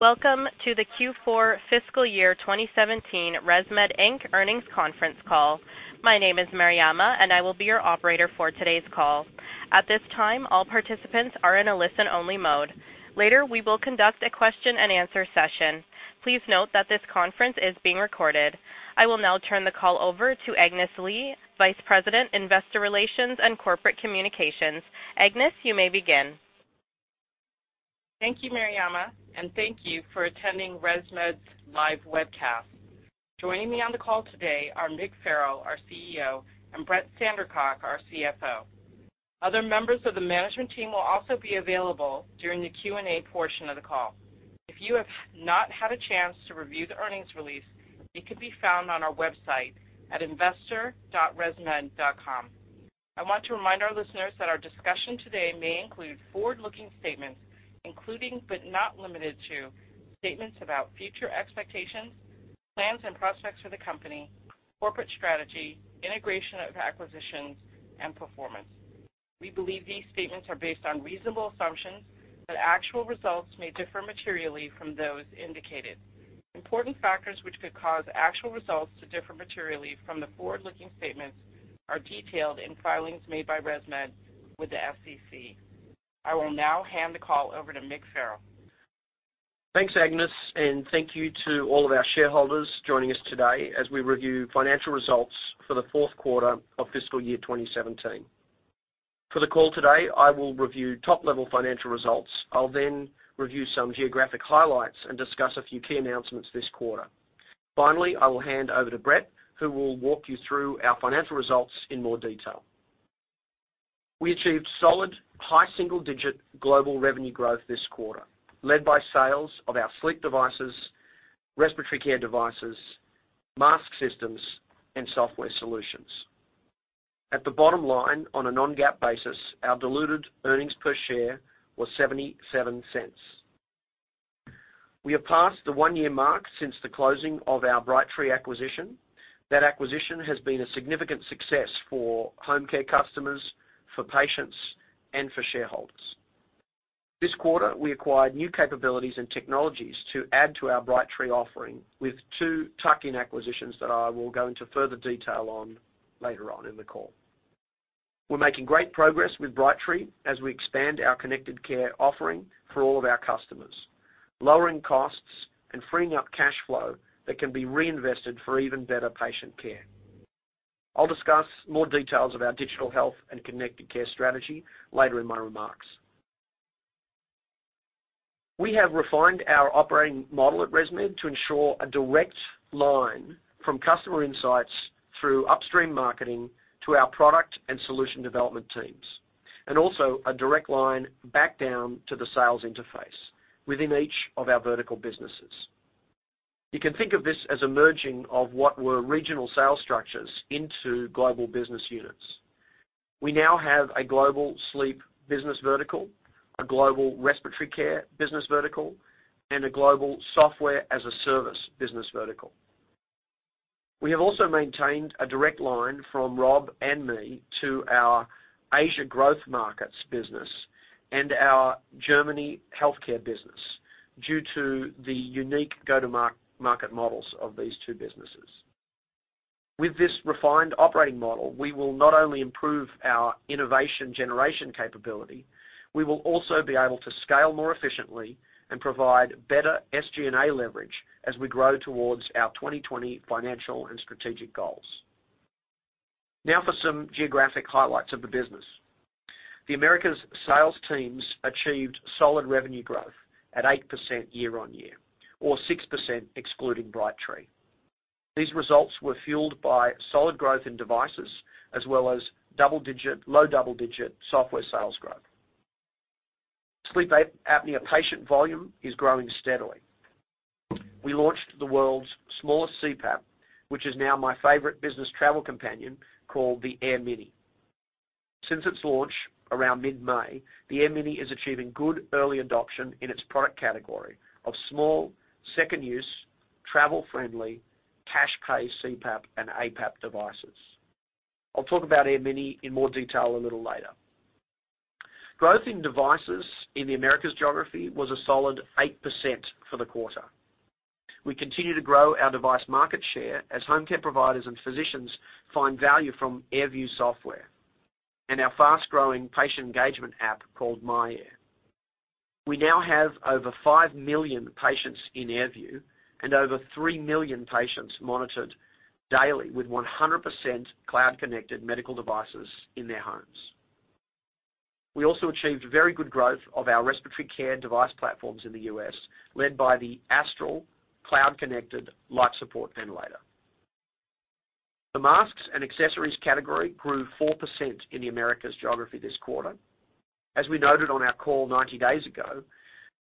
Welcome to the Q4 fiscal year 2017 ResMed Inc. earnings conference call. My name is Mariama, and I will be your operator for today's call. At this time, all participants are in a listen-only mode. Later, we will conduct a question and answer session. Please note that this conference is being recorded. I will now turn the call over to Agnes Lee, Vice President, Investor Relations and Corporate Communications. Agnes, you may begin. Thank you, Mariama, and thank you for attending ResMed's live webcast. Joining me on the call today are Mick Farrell, our CEO, and Brett Sandercock, our CFO. Other members of the management team will also be available during the Q&A portion of the call. If you have not had a chance to review the earnings release, it can be found on our website at investor.resmed.com. I want to remind our listeners that our discussion today may include forward-looking statements, including but not limited to statements about future expectations, plans and prospects for the company, corporate strategy, integration of acquisitions, and performance. We believe these statements are based on reasonable assumptions, but actual results may differ materially from those indicated. Important factors which could cause actual results to differ materially from the forward-looking statements are detailed in filings made by ResMed with the SEC. I will now hand the call over to Mick Farrell. Thanks, Agnes, and thank you to all of our shareholders joining us today as we review financial results for the fourth quarter of fiscal year 2017. For the call today, I will review top-level financial results. I'll then review some geographic highlights and discuss a few key announcements this quarter. Finally, I will hand over to Brett, who will walk you through our financial results in more detail. We achieved solid, high single-digit global revenue growth this quarter, led by sales of our sleep devices, respiratory care devices, mask systems, and software solutions. At the bottom line, on a non-GAAP basis, our diluted earnings per share was $0.77. We have passed the one-year mark since the closing of our Brightree acquisition. That acquisition has been a significant success for home care customers, for patients, and for shareholders. This quarter, we acquired new capabilities and technologies to add to our Brightree offering with two tuck-in acquisitions that I will go into further detail on later on in the call. We're making great progress with Brightree as we expand our connected care offering for all of our customers, lowering costs and freeing up cash flow that can be reinvested for even better patient care. I'll discuss more details of our digital health and connected care strategy later in my remarks. We have refined our operating model at ResMed to ensure a direct line from customer insights through upstream marketing to our product and solution development teams, and also a direct line back down to the sales interface within each of our vertical businesses. You can think of this as a merging of what were regional sales structures into global business units. We now have a global sleep business vertical, a global respiratory care business vertical, and a global software-as-a-service business vertical. We have also maintained a direct line from Rob and me to our Asia growth markets business and our Germany healthcare business due to the unique go-to-market models of these two businesses. With this refined operating model, we will not only improve our innovation generation capability, we will also be able to scale more efficiently and provide better SG&A leverage as we grow towards our 2020 financial and strategic goals. For some geographic highlights of the business. The Americas sales teams achieved solid revenue growth at 8% year-over-year or 6% excluding Brightree. These results were fueled by solid growth in devices as well as low double-digit software sales growth. Sleep apnea patient volume is growing steadily. We launched the world's smallest CPAP, which is now my favorite business travel companion, called the AirMini. Since its launch around mid-May, the AirMini is achieving good early adoption in its product category of small, second-use, travel friendly, cash pay CPAP and APAP devices. I'll talk about AirMini in more detail a little later. Growth in devices in the Americas geography was a solid 8% for the quarter. We continue to grow our device market share as home care providers and physicians find value from AirView software and our fast-growing patient engagement app called myAir. We now have over 5 million patients in AirView and over 3 million patients monitored daily with 100% cloud-connected medical devices in their homes. We also achieved very good growth of our respiratory care device platforms in the U.S., led by the Astral cloud-connected life support ventilator. The masks and accessories category grew 4% in the Americas geography this quarter. We noted on our call 90 days ago,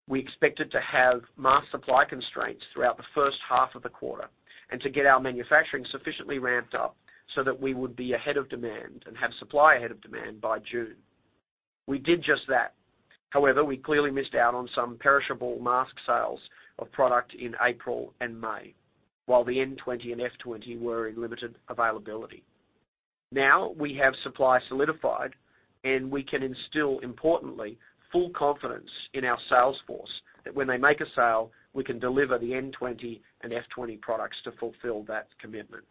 we expected to have mask supply constraints throughout the first half of the quarter and to get our manufacturing sufficiently ramped up so that we would be ahead of demand and have supply ahead of demand by June. We did just that. We clearly missed out on some perishable mask sales of product in April and May, while the N20 and F20 were in limited availability. We have supply solidified, and we can instill, importantly, full confidence in our sales force that when they make a sale, we can deliver the N20 and F20 products to fulfill that commitment.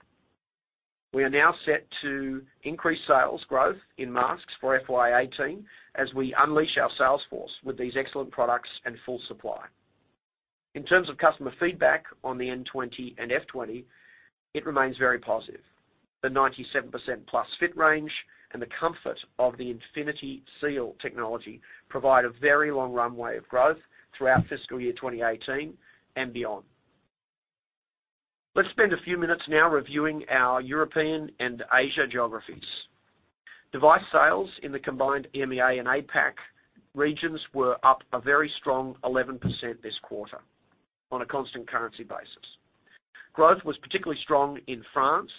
We are now set to increase sales growth in masks for FY 2018 as we unleash our sales force with these excellent products and full supply. In terms of customer feedback on the N20 and F20, it remains very positive. The 97%-plus fit range and the comfort of the InfinitySeal technology provide a very long runway of growth throughout fiscal year 2018 and beyond. Let's spend a few minutes now reviewing our European and Asia geographies. Device sales in the combined EMEA and APAC regions were up a very strong 11% this quarter on a constant currency basis. Growth was particularly strong in France,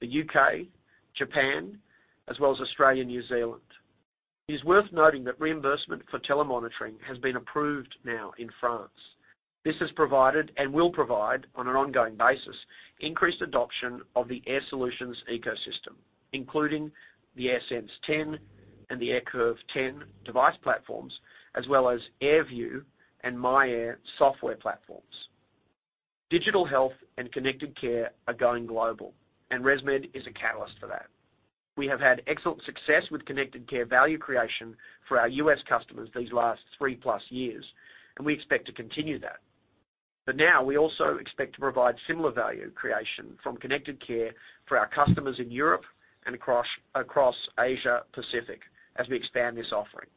the U.K., Japan, as well as Australia and New Zealand. It is worth noting that reimbursement for telemonitoring has been approved now in France. This has provided, and will provide, on an ongoing basis, increased adoption of the Air Solutions ecosystem, including the AirSense 10 and the AirCurve 10 device platforms, as well as AirView and myAir software platforms. Digital health and connected care are going global. ResMed is a catalyst for that. We have had excellent success with connected care value creation for our U.S. customers these last three-plus years, and we expect to continue that. Now we also expect to provide similar value creation from connected care for our customers in Europe and across Asia Pacific as we expand this offering.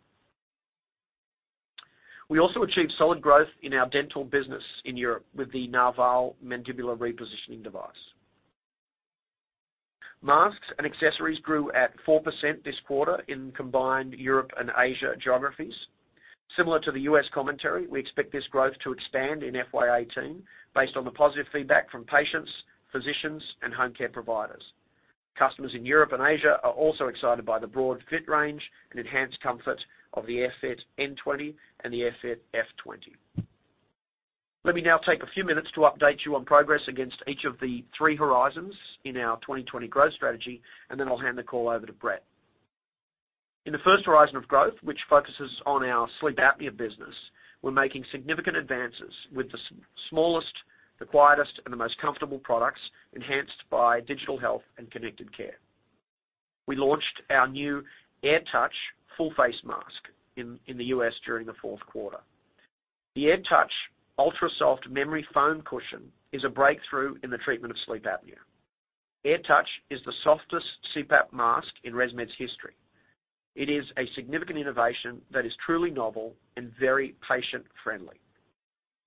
We also achieved solid growth in our dental business in Europe with the Narval mandibular repositioning device. Masks and accessories grew at 4% this quarter in combined Europe and Asia geographies. Similar to the U.S. commentary, we expect this growth to expand in FY 2018 based on the positive feedback from patients, physicians, and home care providers. Customers in Europe and Asia are also excited by the broad fit range and enhanced comfort of the AirFit N20 and the AirFit F20. Let me now take a few minutes to update you on progress against each of the three horizons in our 2020 growth strategy. Then I'll hand the call over to Brett. In the first horizon of growth, which focuses on our sleep apnea business, we're making significant advances with the smallest, the quietest, and the most comfortable products, enhanced by digital health and connected care. We launched our new AirTouch full-face mask in the U.S. during the fourth quarter. The AirTouch UltraSoft memory foam cushion is a breakthrough in the treatment of sleep apnea. AirTouch is the softest CPAP mask in ResMed's history. It is a significant innovation that is truly novel and very patient-friendly.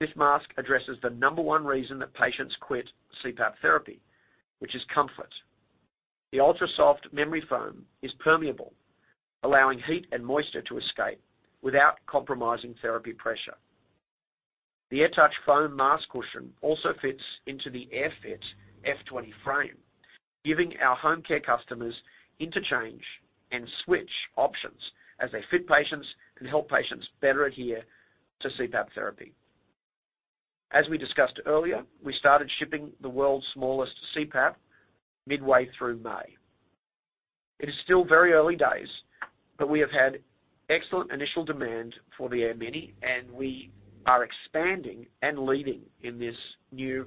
This mask addresses the number 1 reason that patients quit CPAP therapy, which is comfort. The UltraSoft memory foam is permeable, allowing heat and moisture to escape without compromising therapy pressure. The AirTouch foam mask cushion also fits into the AirFit F20 frame, giving our home care customers interchange and switch options as they fit patients and help patients better adhere to CPAP therapy. As we discussed earlier, we started shipping the world's smallest CPAP midway through May. It is still very early days, but we have had excellent initial demand for the AirMini, and we are expanding and leading in this new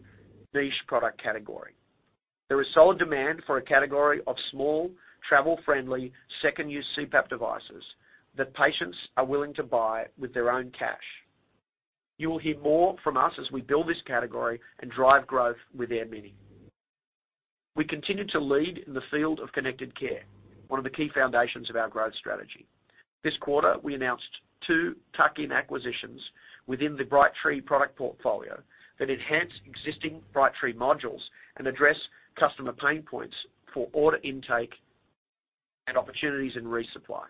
niche product category. There is solid demand for a category of small, travel-friendly, second-use CPAP devices that patients are willing to buy with their own cash. You will hear more from us as we build this category and drive growth with AirMini. We continue to lead in the field of connected care, one of the key foundations of our growth strategy. This quarter, we announced two tuck-in acquisitions within the Brightree product portfolio that enhance existing Brightree modules and address customer pain points for order intake and opportunities in resupply.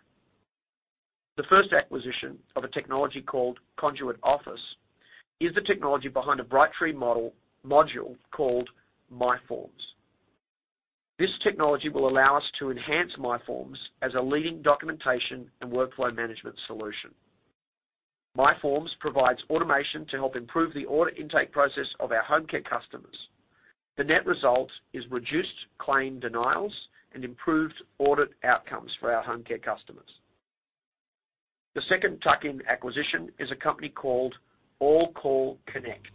The first acquisition of a technology called Conduit Office is the technology behind a Brightree module called MyForms. This technology will allow us to enhance MyForms as a leading documentation and workflow management solution. MyForms provides automation to help improve the order intake process of our home care customers. The net result is reduced claim denials and improved audit outcomes for our home care customers. The second tuck-in acquisition is a company called AllCall Connect.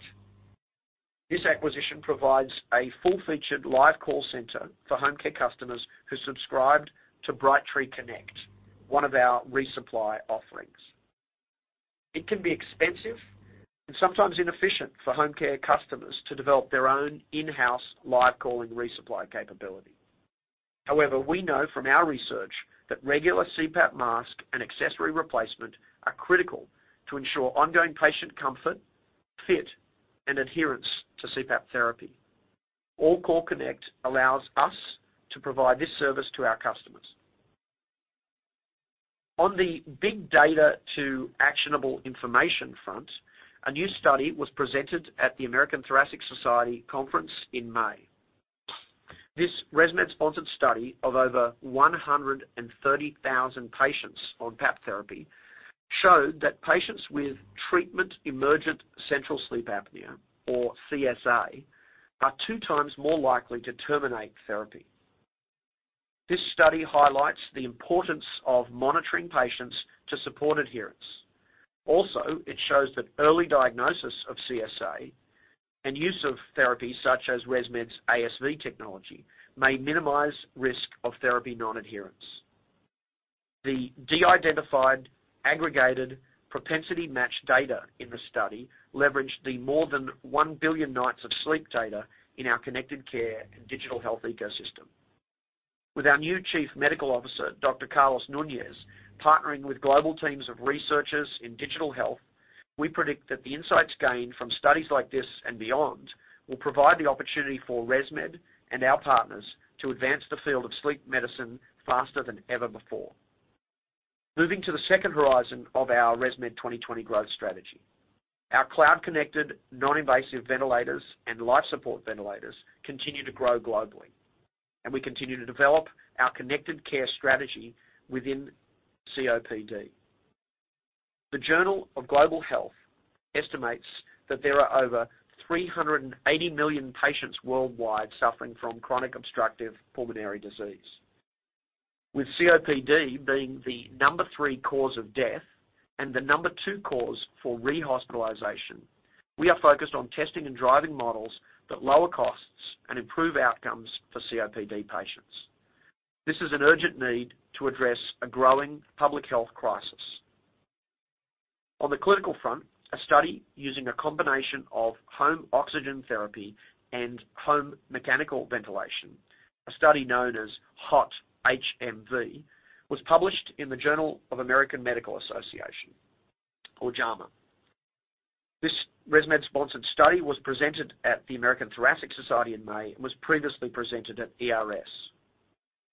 This acquisition provides a full-featured live call center for home care customers who subscribed to Brightree Connect, one of our resupply offerings. It can be expensive and sometimes inefficient for home care customers to develop their own in-house live calling resupply capability. We know from our research that regular CPAP mask and accessory replacement are critical to ensure ongoing patient comfort, fit, and adherence to CPAP therapy. AllCall Connect allows us to provide this service to our customers. On the big data to actionable information front, a new study was presented at the American Thoracic Society conference in May. This ResMed-sponsored study of over 130,000 patients on PAP therapy showed that patients with treatment emergent central sleep apnea or CSA, are two times more likely to terminate therapy. This study highlights the importance of monitoring patients to support adherence. It shows that early diagnosis of CSA and use of therapies such as ResMed's ASV technology may minimize risk of therapy non-adherence. The de-identified, aggregated propensity matched data in the study leveraged more than 1 billion nights of sleep data in our connected care and digital health ecosystem. With our new Chief Medical Officer, Dr. Carlos Nunez, partnering with global teams of researchers in digital health, we predict that the insights gained from studies like this and beyond, will provide the opportunity for ResMed and our partners to advance the field of sleep medicine faster than ever before. Moving to the second horizon of our ResMed 2020 growth strategy. Our cloud-connected, non-invasive ventilators and life support ventilators continue to grow globally. We continue to develop our connected care strategy within COPD. The Journal of Global Health estimates that there are over 380 million patients worldwide suffering from chronic obstructive pulmonary disease. With COPD being the number three cause of death and the number two cause for rehospitalization, we are focused on testing and driving models that lower costs and improve outcomes for COPD patients. This is an urgent need to address a growing public health crisis. On the clinical front, a study using a combination of home oxygen therapy and home mechanical ventilation, a study known as HOT-HMV, was published in the Journal of American Medical Association or JAMA. This ResMed-sponsored study was presented at the American Thoracic Society in May and was previously presented at ERS.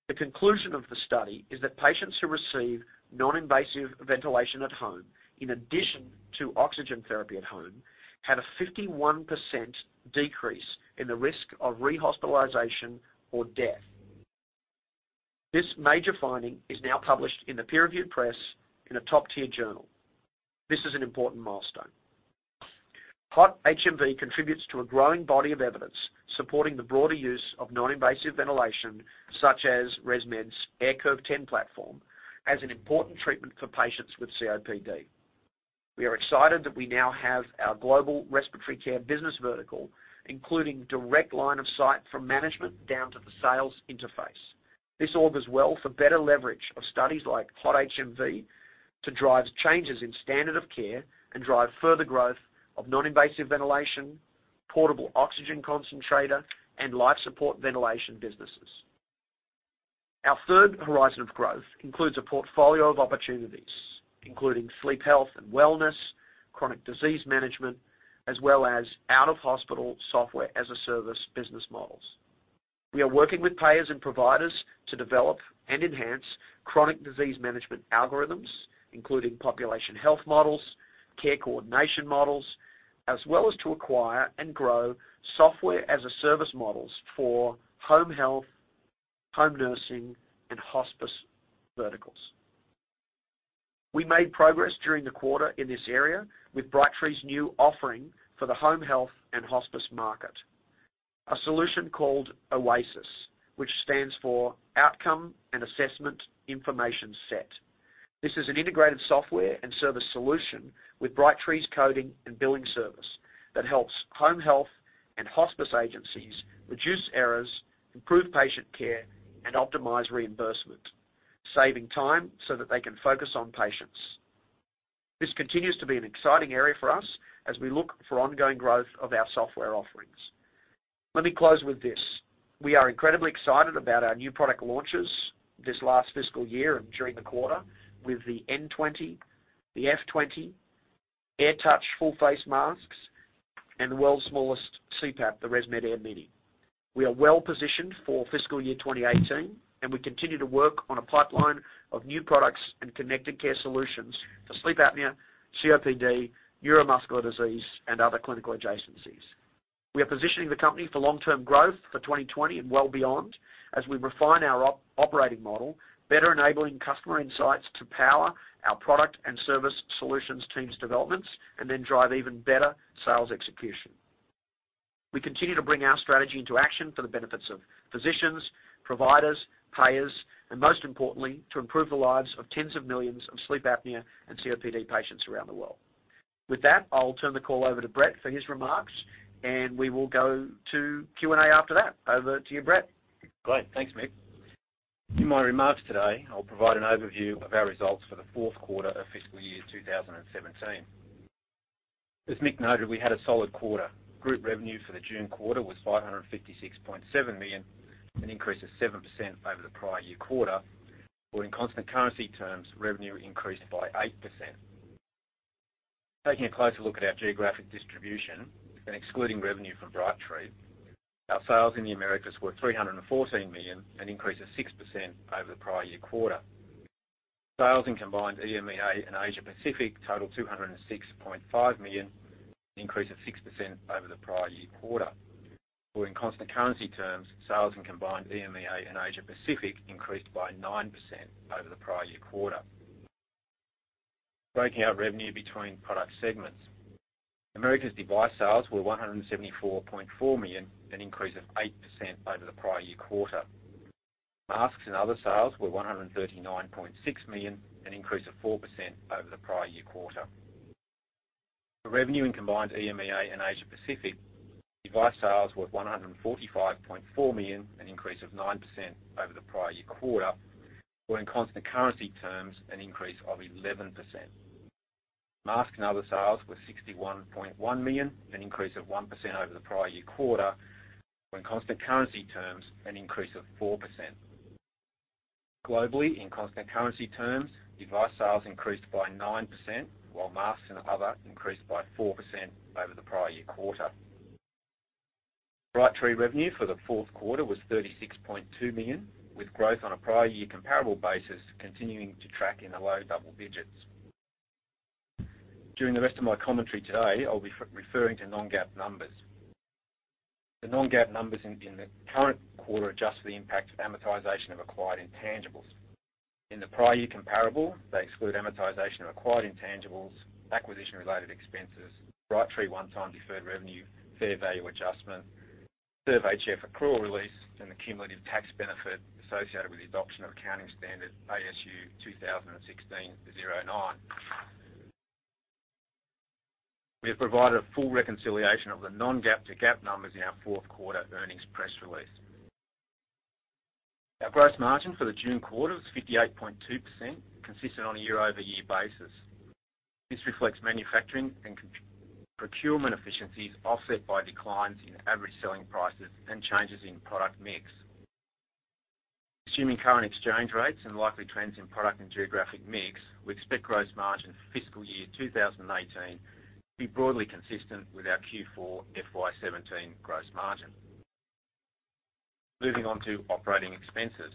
The conclusion of the study is that patients who receive non-invasive ventilation at home, in addition to oxygen therapy at home, had a 51% decrease in the risk of rehospitalization or death. This major finding is now published in the peer-reviewed press in a top-tier journal. This is an important milestone. HOT-HMV contributes to a growing body of evidence supporting the broader use of non-invasive ventilation, such as ResMed's AirCurve 10 platform, as an important treatment for patients with COPD. We are excited that we now have our global respiratory care business vertical, including direct line of sight from management down to the sales interface. This augurs well for better leverage of studies like HOT-HMV to drive changes in standard of care and drive further growth of non-invasive ventilation, portable oxygen concentrator, and life support ventilation businesses. Our third horizon of growth includes a portfolio of opportunities, including sleep health and wellness, chronic disease management, as well as out-of-hospital software-as-a-service business models. We are working with payers and providers to develop and enhance chronic disease management algorithms, including population health models, care coordination models, as well as to acquire and grow software-as-a-service models for home health, home nursing, and hospice verticals. We made progress during the quarter in this area with Brightree's new offering for the home health and hospice market. A solution called OASIS, which stands for Outcome and Assessment Information Set. This is an integrated software and service solution with Brightree's coding and billing service that helps home health and hospice agencies reduce errors, improve patient care, and optimize reimbursement, saving time so that they can focus on patients. This continues to be an exciting area for us as we look for ongoing growth of our software offerings. Let me close with this. We are incredibly excited about our new product launches this last fiscal year and during the quarter with the N20, the F20, AirTouch full face masks, and the world's smallest CPAP, the ResMed AirMini. We are well-positioned for fiscal year 2018, and we continue to work on a pipeline of new products and connected care solutions for sleep apnea, COPD, neuromuscular disease, and other clinical adjacencies. We are positioning the company for long-term growth for 2020 and well beyond, as we refine our operating model, better enabling customer insights to power our product and service solutions teams' developments, and then drive even better sales execution. We continue to bring our strategy into action for the benefits of physicians, providers, payers, and most importantly, to improve the lives of tens of millions of sleep apnea and COPD patients around the world. With that, I'll turn the call over to Brett for his remarks, and we will go to Q&A after that. Over to you, Brett. Great. Thanks, Mick. In my remarks today, I'll provide an overview of our results for the fourth quarter of fiscal year 2017. As Mick noted, we had a solid quarter. Group revenue for the June quarter was $556.7 million, an increase of 7% over the prior year quarter, or in constant currency terms, revenue increased by 8%. Taking a closer look at our geographic distribution and excluding revenue from Brightree, our sales in the Americas were $314 million, an increase of 6% over the prior year quarter. Sales in combined EMEA and Asia Pacific totaled $206.5 million, an increase of 6% over the prior year quarter. In constant currency terms, sales in combined EMEA and Asia Pacific increased by 9% over the prior year quarter. Breaking out revenue between product segments. Americas device sales were $174.4 million, an increase of 8% over the prior year quarter. Masks and other sales were $139.6 million, an increase of 4% over the prior year quarter. For revenue in combined EMEA and Asia Pacific, device sales were $145.4 million, an increase of 9% over the prior year quarter, or in constant currency terms, an increase of 11%. Mask and other sales were $61.1 million, an increase of 1% over the prior year quarter, or in constant currency terms, an increase of 4%. Globally, in constant currency terms, device sales increased by 9%, while masks and other increased by 4% over the prior year quarter. Brightree revenue for the fourth quarter was $36.2 million, with growth on a prior year comparable basis continuing to track in the low double digits. During the rest of my commentary today, I'll be referring to non-GAAP numbers. The non-GAAP numbers in the current quarter adjust for the impact of amortization of acquired intangibles. In the prior year comparable, they exclude amortization of acquired intangibles, acquisition-related expenses, Brightree one-time deferred revenue, fair value adjustment, SERVE-HF accrual release, and the cumulative tax benefit associated with the adoption of accounting standard ASU 2016-09. We have provided a full reconciliation of the non-GAAP to GAAP numbers in our fourth quarter earnings press release. Our gross margin for the June quarter was 58.2%, consistent on a year-over-year basis. This reflects manufacturing and procurement efficiencies, offset by declines in average selling prices and changes in product mix. Assuming current exchange rates and likely trends in product and geographic mix, we expect gross margin for fiscal year 2018 to be broadly consistent with our Q4 FY 2017 gross margin. Moving on to operating expenses.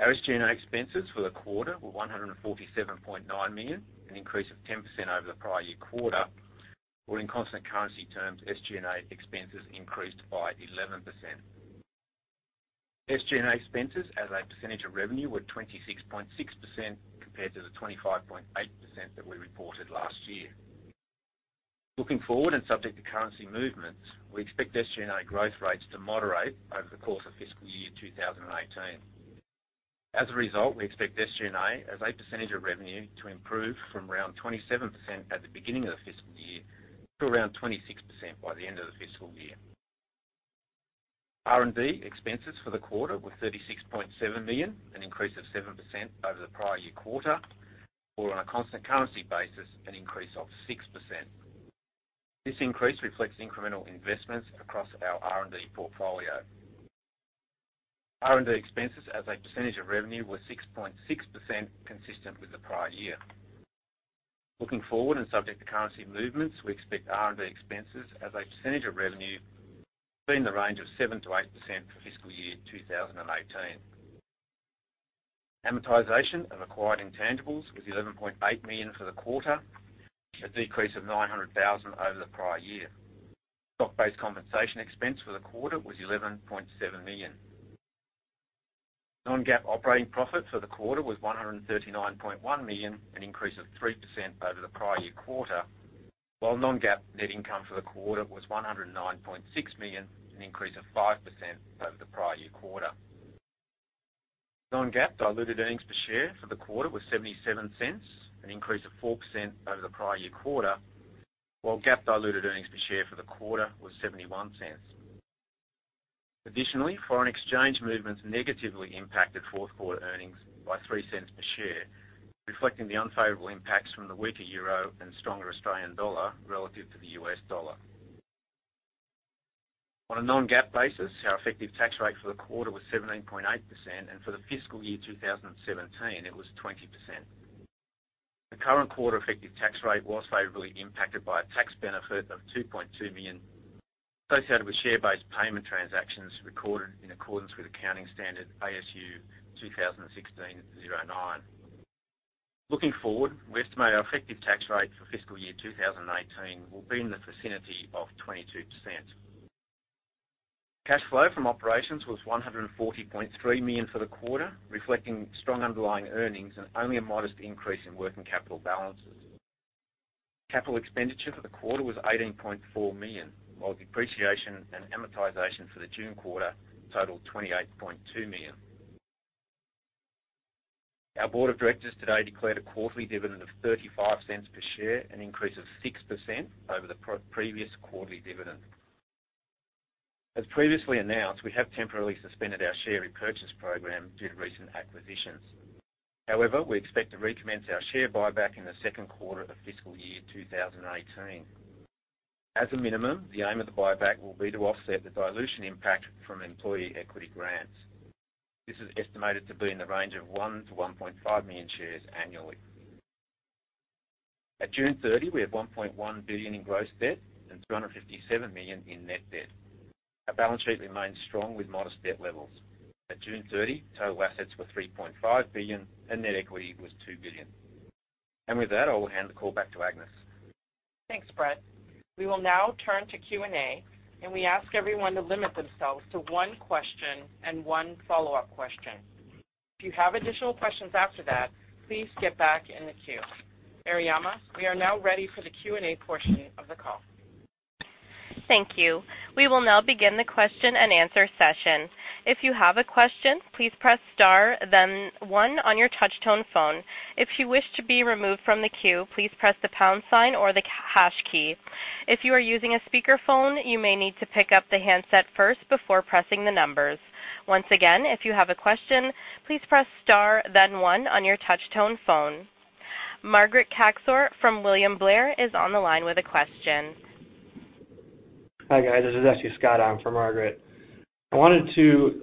Our SG&A expenses for the quarter were $147.9 million, an increase of 10% over the prior year quarter, or in constant currency terms, SG&A expenses increased by 11%. SG&A expenses as a percentage of revenue were 26.6% compared to the 25.8% that we reported last year. Looking forward, and subject to currency movements, we expect SG&A growth rates to moderate over the course of fiscal year 2018. As a result, we expect SG&A as a percentage of revenue to improve from around 27% at the beginning of the fiscal year to around 26% by the end of the fiscal year. R&D expenses for the quarter were $36.7 million, an increase of 7% over the prior year quarter or on a constant currency basis, an increase of 6%. This increase reflects incremental investments across our R&D portfolio. R&D expenses as a percentage of revenue were 6.6%, consistent with the prior year. Looking forward, and subject to currency movements, we expect R&D expenses as a percentage of revenue to be in the range of 7% to 8% for fiscal year 2018. Amortization of acquired intangibles was $11.8 million for the quarter, a decrease of $900,000 over the prior year. Stock-based compensation expense for the quarter was $11.7 million. Non-GAAP operating profit for the quarter was $139.1 million, an increase of 3% over the prior year quarter, while non-GAAP net income for the quarter was $109.6 million, an increase of 5% over the prior year quarter. Non-GAAP diluted earnings per share for the quarter was $0.77, an increase of 4% over the prior year quarter, while GAAP diluted earnings per share for the quarter was $0.71. Additionally, foreign exchange movements negatively impacted fourth quarter earnings by $0.03 per share, reflecting the unfavorable impacts from the weaker EUR and stronger AUD relative to the US dollar. On a non-GAAP basis, our effective tax rate for the quarter was 17.8%, and for the FY 2017, it was 20%. The current quarter effective tax rate was favorably impacted by a tax benefit of $2.2 million, associated with share-based payment transactions recorded in accordance with accounting standard ASU 2016-09. Looking forward, we estimate our effective tax rate for FY 2018 will be in the vicinity of 22%. Cash flow from operations was $140.3 million for the quarter, reflecting strong underlying earnings and only a modest increase in working capital balances. Capital expenditure for the quarter was $18.4 million, while depreciation and amortization for the June quarter totaled $28.2 million. Our board of directors today declared a quarterly dividend of $0.35 per share, an increase of 6% over the previous quarterly dividend. As previously announced, we have temporarily suspended our share repurchase program due to recent acquisitions. However, we expect to recommence our share buyback in the second quarter of FY 2018. As a minimum, the aim of the buyback will be to offset the dilution impact from employee equity grants. This is estimated to be in the range of 1 million-1.5 million shares annually. At June 30, we had $1.1 billion in gross debt and $257 million in net debt. Our balance sheet remains strong with modest debt levels. At June 30, total assets were $3.5 billion and net equity was $2 billion. With that, I'll hand the call back to Agnes. Thanks, Brett. We will now turn to Q&A, and we ask everyone to limit themselves to one question and one follow-up question. If you have additional questions after that, please skip back in the queue. Mariama, we are now ready for the Q&A portion of the call. Thank you. We will now begin the question and answer session. If you have a question, please press star then one on your touchtone phone. If you wish to be removed from the queue, please press the pound sign or the hash key. If you are using a speakerphone, you may need to pick up the handset first before pressing the numbers. Once again, if you have a question, please press star then one on your touchtone phone. Margaret Kaczor from William Blair is on the line with a question. Hi, guys. This is actually Scott on for Margaret. I wanted to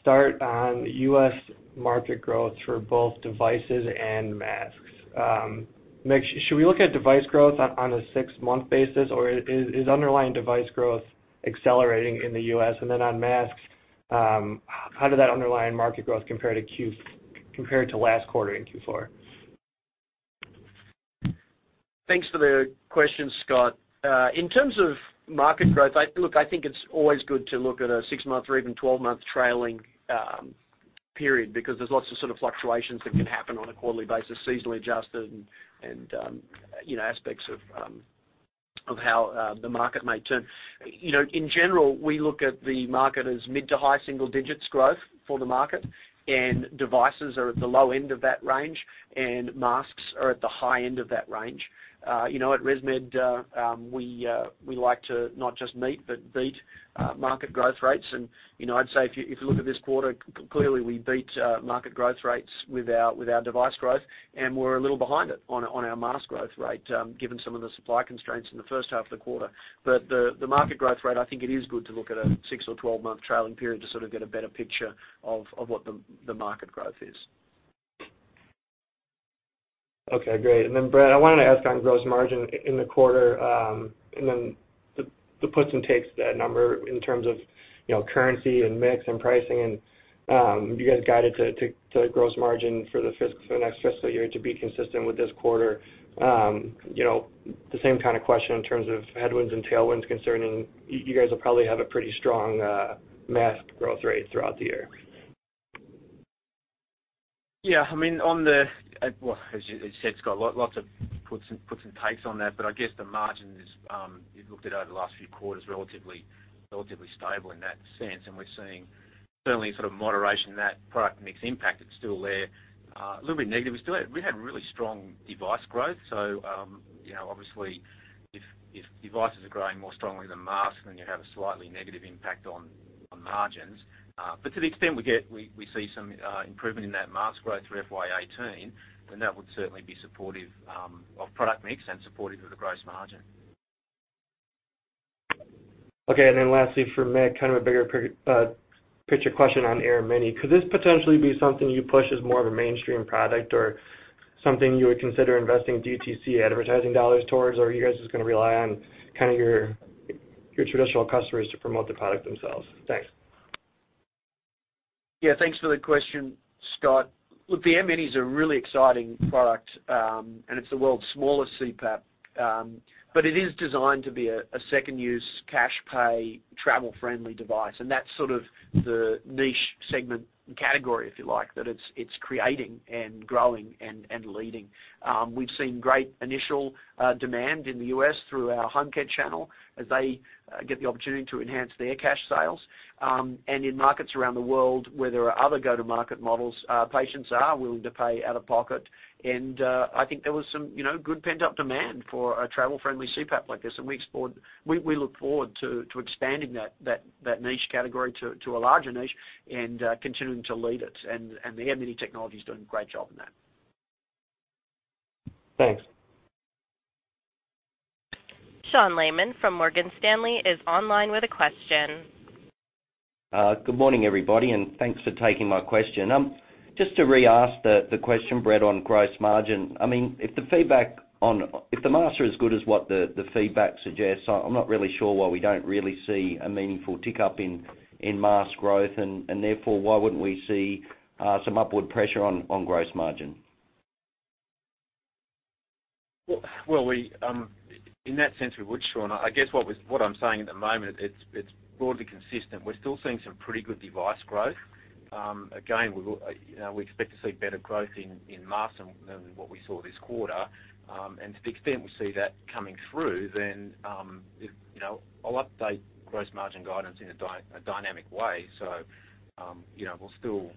start on the U.S. market growth for both devices and masks. Should we look at device growth on a six-month basis, or is underlying device growth accelerating in the U.S.? On masks, how did that underlying market growth compare to last quarter in Q4? Thanks for the question, Scott. In terms of market growth, look, I think it's always good to look at a six-month or even 12-month trailing period, because there's lots of sort of fluctuations that can happen on a quarterly basis, seasonally adjusted and aspects of how the market may turn. In general, we look at the market as mid to high single digits growth for the market. Devices are at the low end of that range. Masks are at the high end of that range. At ResMed, we like to not just meet but beat market growth rates. I'd say if you look at this quarter, clearly we beat market growth rates with our device growth. We're a little behind it on our mask growth rate, given some of the supply constraints in the first half of the quarter. The market growth rate, I think it is good to look at a six or 12-month trailing period to sort of get a better picture of what the market growth is. Okay, great. Then Brett, I wanted to ask on gross margin in the quarter. Then the puts and takes that number in terms of currency and mix and pricing. You guys guided to gross margin for the next fiscal year to be consistent with this quarter. The same kind of question in terms of headwinds and tailwinds concerning, you guys will probably have a pretty strong mask growth rate throughout the year. Yeah. As you said, Scott, lots of puts and takes on that, I guess the margin is, you've looked at over the last few quarters, relatively stable in that sense. We're seeing certainly sort of moderation in that product mix impact. It's still there. A little bit negative. We had really strong device growth, obviously, if devices are growing more strongly than masks, then you have a slightly negative impact on margins. To the extent we see some improvement in that mask growth through FY 2018, then that would certainly be supportive of product mix and supportive of the gross margin. Okay. Lastly for me, kind of a bigger picture question on AirMini. Could this potentially be something you push as more of a mainstream product or something you would consider investing DTC advertising dollars towards, or you guys are just going to rely on kind of your traditional customers to promote the product themselves? Thanks. Yeah. Thanks for the question, Scott. Look, the AirMini is a really exciting product, and it's the world's smallest CPAP. It is designed to be a second-use, cash pay, travel-friendly device, and that's sort of the niche segment category, if you like, that it's creating and growing and leading. We've seen great initial demand in the U.S. through our home care channel as they get the opportunity to enhance their cash sales. In markets around the world where there are other go-to-market models, patients are willing to pay out of pocket. I think there was some good pent-up demand for a travel-friendly CPAP like this, and we look forward to expanding that niche category to a larger niche and continuing to lead it. The AirMini technology is doing a great job in that. Thanks. Sean Laaman from Morgan Stanley is online with a question. Good morning, everybody, and thanks for taking my question. Just to re-ask the question, Brett, on gross margin. If the masks are as good as what the feedback suggests, I'm not really sure why we don't really see a meaningful tick-up in mask growth, and therefore, why wouldn't we see some upward pressure on gross margin? Well, in that sense, we would, Sean. I guess what I'm saying at the moment, it's broadly consistent. We're still seeing some pretty good device growth. Again, we expect to see better growth in masks than what we saw this quarter. To the extent we see that coming through, then I'll update gross margin guidance in a dynamic way. We'll still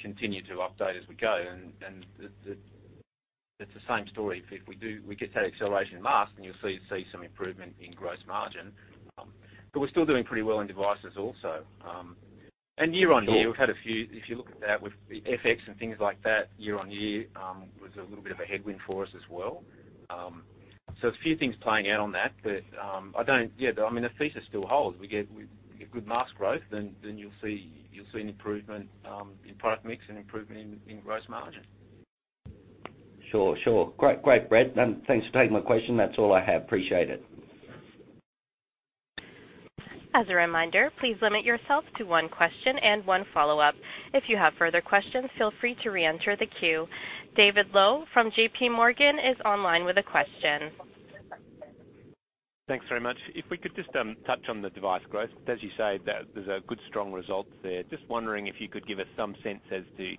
continue to update as we go. It's the same story. If we get that acceleration in masks, then you'll see some improvement in gross margin. We're still doing pretty well in devices also. Year-on-year, if you look at that with FX and things like that, year-on-year, was a little bit of a headwind for us as well. It's a few things playing out on that, but I mean, the thesis still holds. We get good mask growth, then you'll see an improvement in product mix and improvement in gross margin. Sure. Great, Brett. Thanks for taking my question. That's all I have. Appreciate it. As a reminder, please limit yourself to one question and one follow-up. If you have further questions, feel free to reenter the queue. David Low from JPMorgan is online with a question. Thanks very much. If we could just touch on the device growth, as you say, there's a good, strong result there. Just wondering if you could give us some sense as to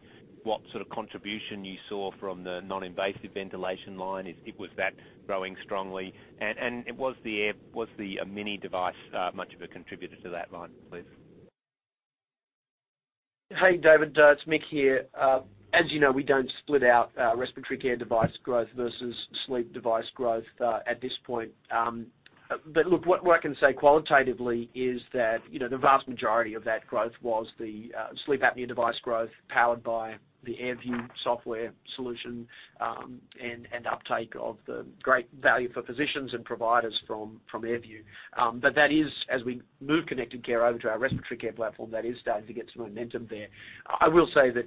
what sort of contribution you saw from the non-invasive ventilation line. Was that growing strongly? Was the AirMini device much of a contributor to that line, please? Hey, David. It's Mick here. As you know, we don't split out respiratory care device growth versus sleep device growth, at this point. Look, what I can say qualitatively is that, the vast majority of that growth was the sleep apnea device growth powered by the AirView software solution, and uptake of the great value for physicians and providers from AirView. That is, as we move connected care over to our respiratory care platform, that is starting to get some momentum there. I will say that,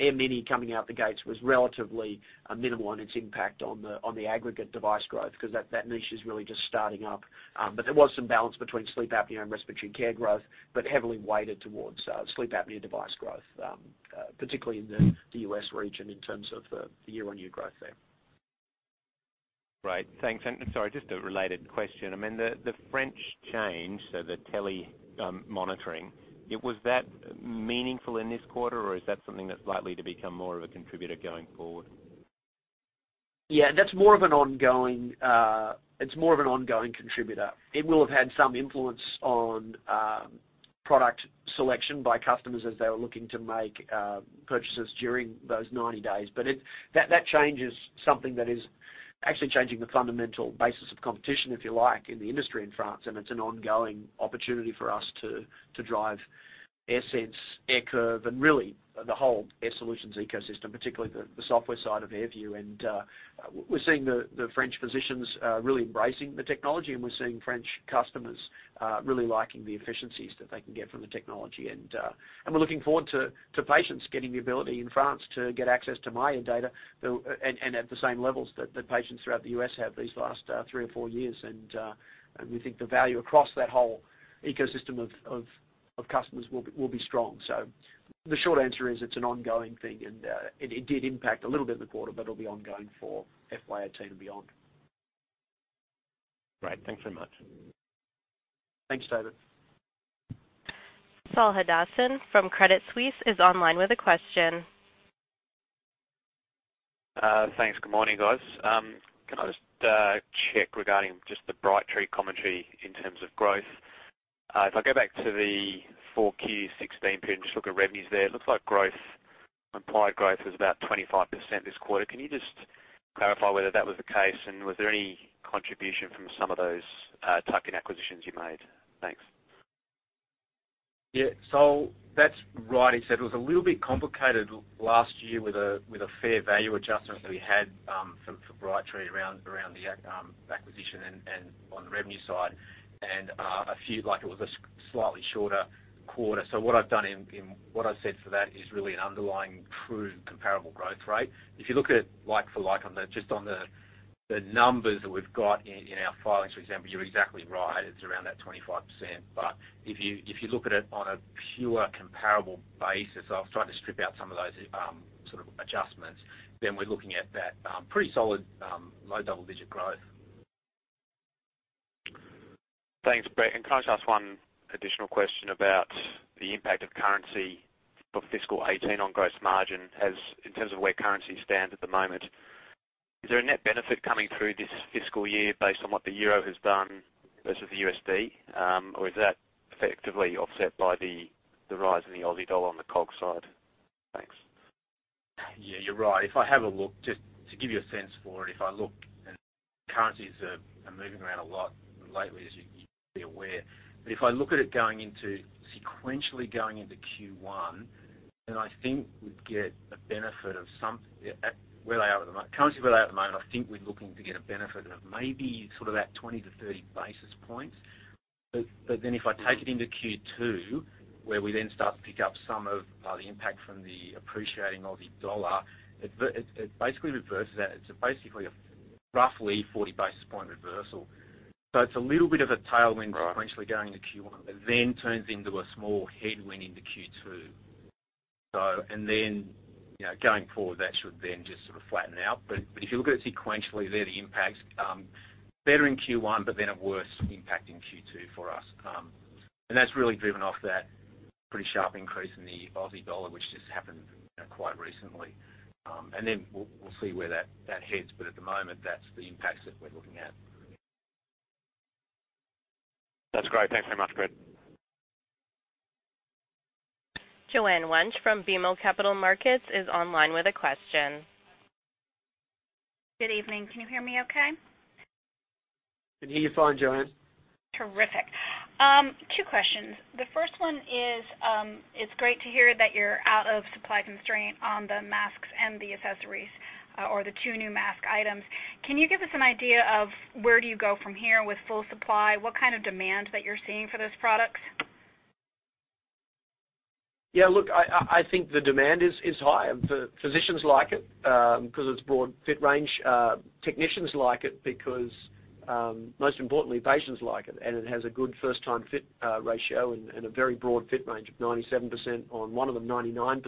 AirMini coming out the gates was relatively minimal in its impact on the aggregate device growth, because that niche is really just starting up. There was some balance between sleep apnea and respiratory care growth, but heavily weighted towards sleep apnea device growth, particularly in the U.S. region in terms of the year-on-year growth there. Right. Thanks. Sorry, just a related question. The French change, so the tele-monitoring, was that meaningful in this quarter, or is that something that's likely to become more of a contributor going forward? Yeah, that's more of an ongoing contributor. It will have had some influence on product selection by customers as they were looking to make purchases during those 90 days. That change is something that is actually changing the fundamental basis of competition, if you like, in the industry in France, and it's an ongoing opportunity for us to drive AirSense, AirCurve, and really, the whole Air Solutions ecosystem, particularly the software side of AirView. We're seeing the French physicians really embracing the technology, and we're seeing French customers really liking the efficiencies that they can get from the technology. We're looking forward to patients getting the ability in France to get access to myAir data, and at the same levels that patients throughout the U.S. have these last three or four years. We think the value across that whole ecosystem of customers will be strong. The short answer is it's an ongoing thing, and it did impact a little bit in the quarter, but it'll be ongoing for FY 2018 and beyond. Great. Thanks so much. Thanks, David. Saul Hadassin from Credit Suisse is online with a question. Thanks. Good morning, guys. Can I just check regarding just the Brightree commentary in terms of growth? If I go back to the 4Q 2016 period and just look at revenues there, it looks like implied growth is about 25% this quarter. Can you just clarify whether that was the case, and was there any contribution from some of those tuck-in acquisitions you made? Thanks. Yeah. Saul, that's right. Except it was a little bit complicated last year with a fair value adjustment that we had for Brightree around the acquisition and on the revenue side, and a few, like it was a slightly shorter quarter. What I said for that is really an underlying true comparable growth rate. If you look at like for like, just on the numbers that we've got in our filings, for example, you're exactly right. It's around that 25%. If you look at it on a pure comparable basis, I was trying to strip out some of those sort of adjustments, then we're looking at that pretty solid, low double-digit growth. Thanks, Brett. Can I just ask one additional question about the impact of currency for FY 2018 on gross margin, in terms of where currency stands at the moment? Is there a net benefit coming through this fiscal year based on what the EUR has done versus the USD? Or is that effectively offset by the rise in the AUD on the COGS side? Thanks. Yeah, you're right. If I have a look, just to give you a sense for it, if I look, and currencies are moving around a lot lately, as you'd be aware. If I look at it sequentially going into Q1, then I think we'd get a benefit of some currency where they are at the moment, I think we're looking to get a benefit of maybe sort of that 20 to 30 basis points. If I take it into Q2, where we then start to pick up some of the impact from the appreciating Aussie dollar, it basically reverses that. It's basically a roughly 40 basis point reversal. It's a little bit of a tailwind- Right sequentially going into Q1, but then turns into a small headwind into Q2. Going forward, that should then just sort of flatten out. If you look at it sequentially there, the impact's better in Q1, but then a worse impact in Q2 for us. That's really driven off that pretty sharp increase in the Aussie dollar, which just happened quite recently. We'll see where that heads, but at the moment, that's the impacts that we're looking at. That's great. Thanks very much, Brett. Joanne Wuensch from BMO Capital Markets is online with a question. Good evening. Can you hear me okay? Can hear you fine, Joanne. Terrific. Two questions. The first one is, it's great to hear that you're out of supply constraint on the masks and the accessories, or the two new mask items. Can you give us an idea of where do you go from here with full supply? What kind of demand that you're seeing for those products? Yeah, look, I think the demand is high. The physicians like it, because it's broad fit range. Technicians like it because, most importantly, patients like it, and it has a good first-time fit ratio and a very broad fit range of 97% on one of them, 99%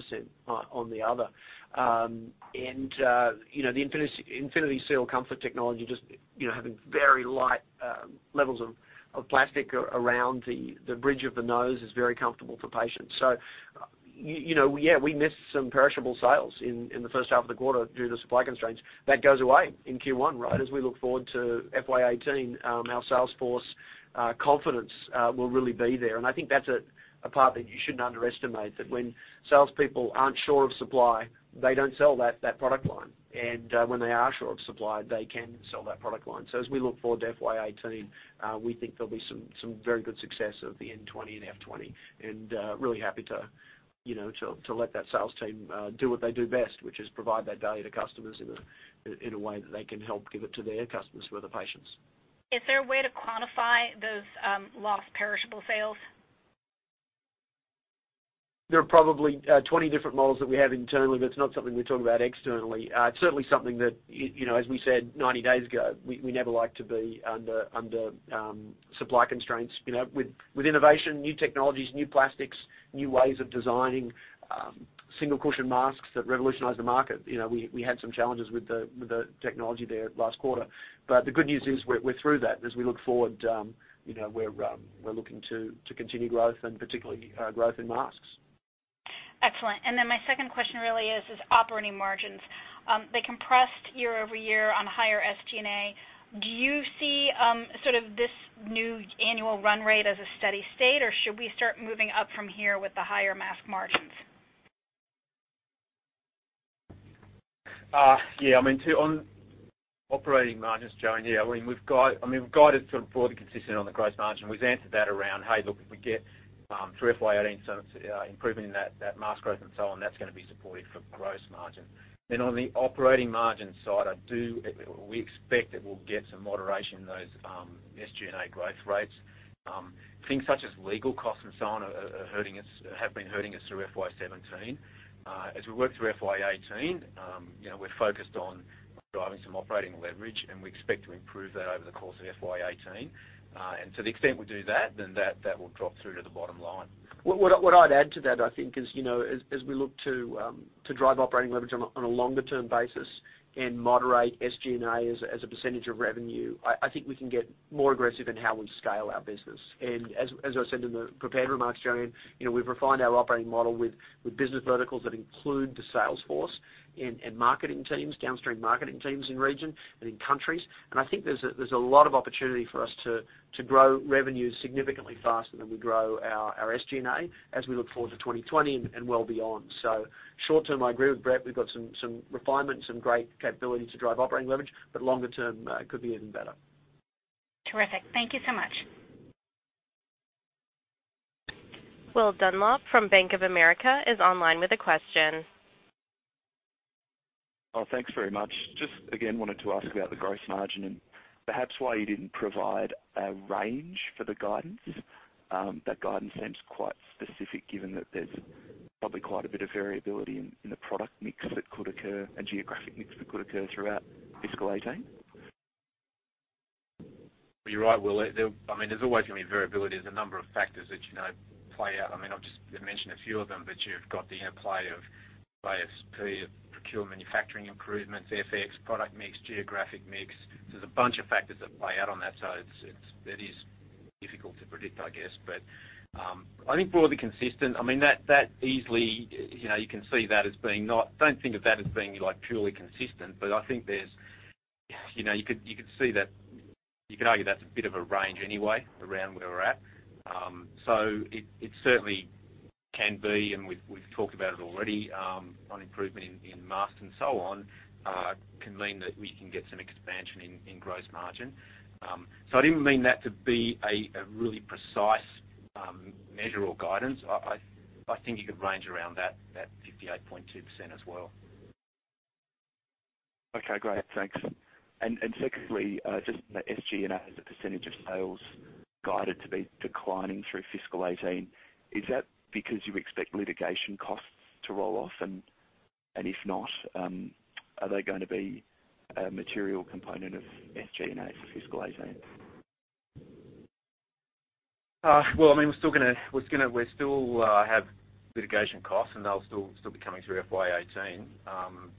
on the other. The InfinitySeal comfort technology, just having very light levels of plastic around the bridge of the nose is very comfortable for patients. Yeah, we missed some perishable sales in the first half of the quarter due to supply constraints. That goes away in Q1, right? As we look forward to FY18, our sales force confidence will really be there. I think that's a part that you shouldn't underestimate, that when salespeople aren't sure of supply, they don't sell that product line. When they are sure of supply, they can sell that product line. As we look forward to FY 2018, we think there'll be some very good success of the N20 and F20, and really happy to let that sales team do what they do best, which is provide that value to customers in a way that they can help give it to their customers, who are the patients. Is there a way to quantify those lost perishable sales? There are probably 20 different models that we have internally, but it's not something we talk about externally. It's certainly something that, as we said 90 days ago, we never like to be under supply constraints. With innovation, new technologies, new plastics, new ways of designing single cushion masks that revolutionize the market. We had some challenges with the technology there last quarter. The good news is we're through that as we look forward, we're looking to continue growth, and particularly growth in masks. Excellent. My second question really is operating margins. They compressed year-over-year on higher SG&A. Do you see sort of this new annual run rate as a steady state, or should we start moving up from here with the higher mask margins? On operating margins, Joanne, we've guided sort of broadly consistent on the gross margin. We've answered that around, hey, look, if we get through FY 2018, improving that mask growth and so on, that's going to be supportive for gross margin. On the operating margin side, we expect that we'll get some moderation in those SG&A growth rates. Things such as legal costs and so on have been hurting us through FY 2017. As we work through FY 2018, we're focused on driving some operating leverage, and we expect to improve that over the course of FY 2018. To the extent we do that will drop through to the bottom line. What I'd add to that, I think is, as we look to drive operating leverage on a longer-term basis and moderate SG&A as a percentage of revenue, I think we can get more aggressive in how we scale our business. As I said in the prepared remarks, Joanne, we've refined our operating model with business verticals that include the sales force and marketing teams, downstream marketing teams in region and in countries. I think there's a lot of opportunity for us to grow revenue significantly faster than we grow our SG&A as we look forward to 2020 and well beyond. Short-term, I agree with Brett, we've got some refinement, some great capability to drive operating leverage, but longer term it could be even better. Terrific. Thank you so much. Will Dunlop from Bank of America is online with a question. Thanks very much. Again, wanted to ask about the gross margin perhaps why you didn't provide a range for the guidance. That guidance seems quite specific given that there's probably quite a bit of variability in the product mix that could occur, a geographic mix that could occur throughout fiscal 2018. You're right, Will. There's always going to be variability. There's a number of factors that play out. I've just mentioned a few of them, but you've got the interplay of ASP, of procure manufacturing improvements, FX, product mix, geographic mix. There's a bunch of factors that play out on that. It is difficult to predict, I guess. I think broadly consistent, that easily, you can see that as being Don't think of that as being like purely consistent, but I think you could argue that's a bit of a range anyway around where we're at. It certainly can be, and we've talked about it already, on improvement in masks and so on, can mean that we can get some expansion in gross margin. I didn't mean that to be a really precise measure or guidance. I think you could range around that 58.2% as well. Okay, great. Thanks. Secondly, just the SG&A as a percentage of sales guided to be declining through fiscal 2018. Is that because you expect litigation costs to roll off? If not, are they going to be a material component of SG&A for fiscal 2018? We still have litigation costs, they'll still be coming through FY 2018.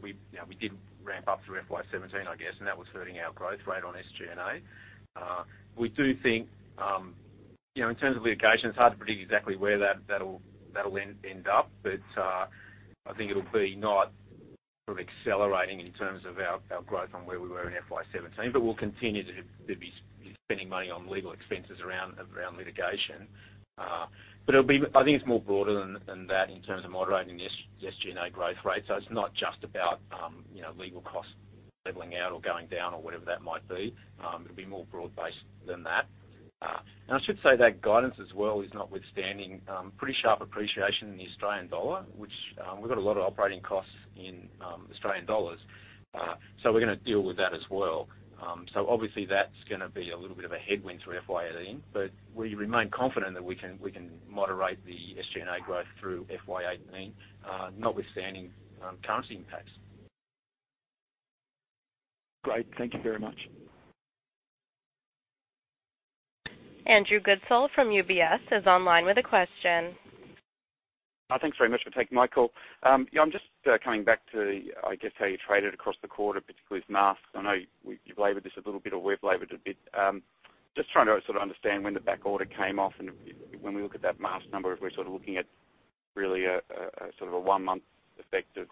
We did ramp up through FY 2017, I guess, that was hurting our growth rate on SG&A. We do think, in terms of litigation, it's hard to predict exactly where that'll end up. I think it'll be not sort of accelerating in terms of our growth on where we were in FY 2017, we'll continue to be spending money on legal expenses around litigation. I think it's more broader than that in terms of moderating the SG&A growth rate. It's not just about legal costs leveling out or going down or whatever that might be. It'll be more broad-based than that. I should say that guidance as well is notwithstanding pretty sharp appreciation in the Australian dollar, which we've got a lot of operating costs in Australian dollars. We're going to deal with that as well. Obviously that's going to be a little bit of a headwind through FY 2018, but we remain confident that we can moderate the SG&A growth through FY 2018, notwithstanding currency impacts. Great. Thank you very much. Andrew Goodsall from UBS is online with a question. Thanks very much for taking my call. I'm just coming back to, I guess, how you traded across the quarter, particularly with masks. I know you've labored this a little bit, or we've labored it a bit. Just trying to sort of understand when the back order came off and when we look at that mask number, if we're sort of looking at really a sort of a one-month effect of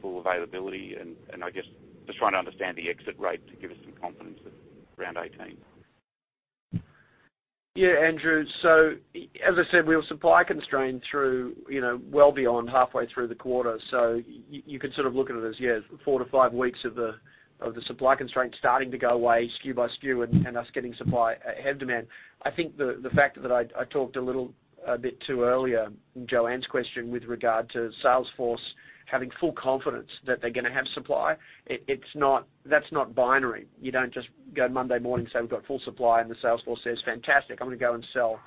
full availability and I guess just trying to understand the exit rate to give us some confidence that around 18. Yeah, Andrew. As I said, we were supply constrained through well beyond halfway through the quarter. You could sort of look at it as, yeah, four to five weeks of the supply constraint starting to go away SKU by SKU and us getting supply ahead of demand. I think the fact that I talked a little bit to earlier in Joanne's question with regard to sales force having full confidence that they're going to have supply, that's not binary. You don't just go Monday morning, say, "We've got full supply" and the sales force says, "Fantastic. I'm going to go and sell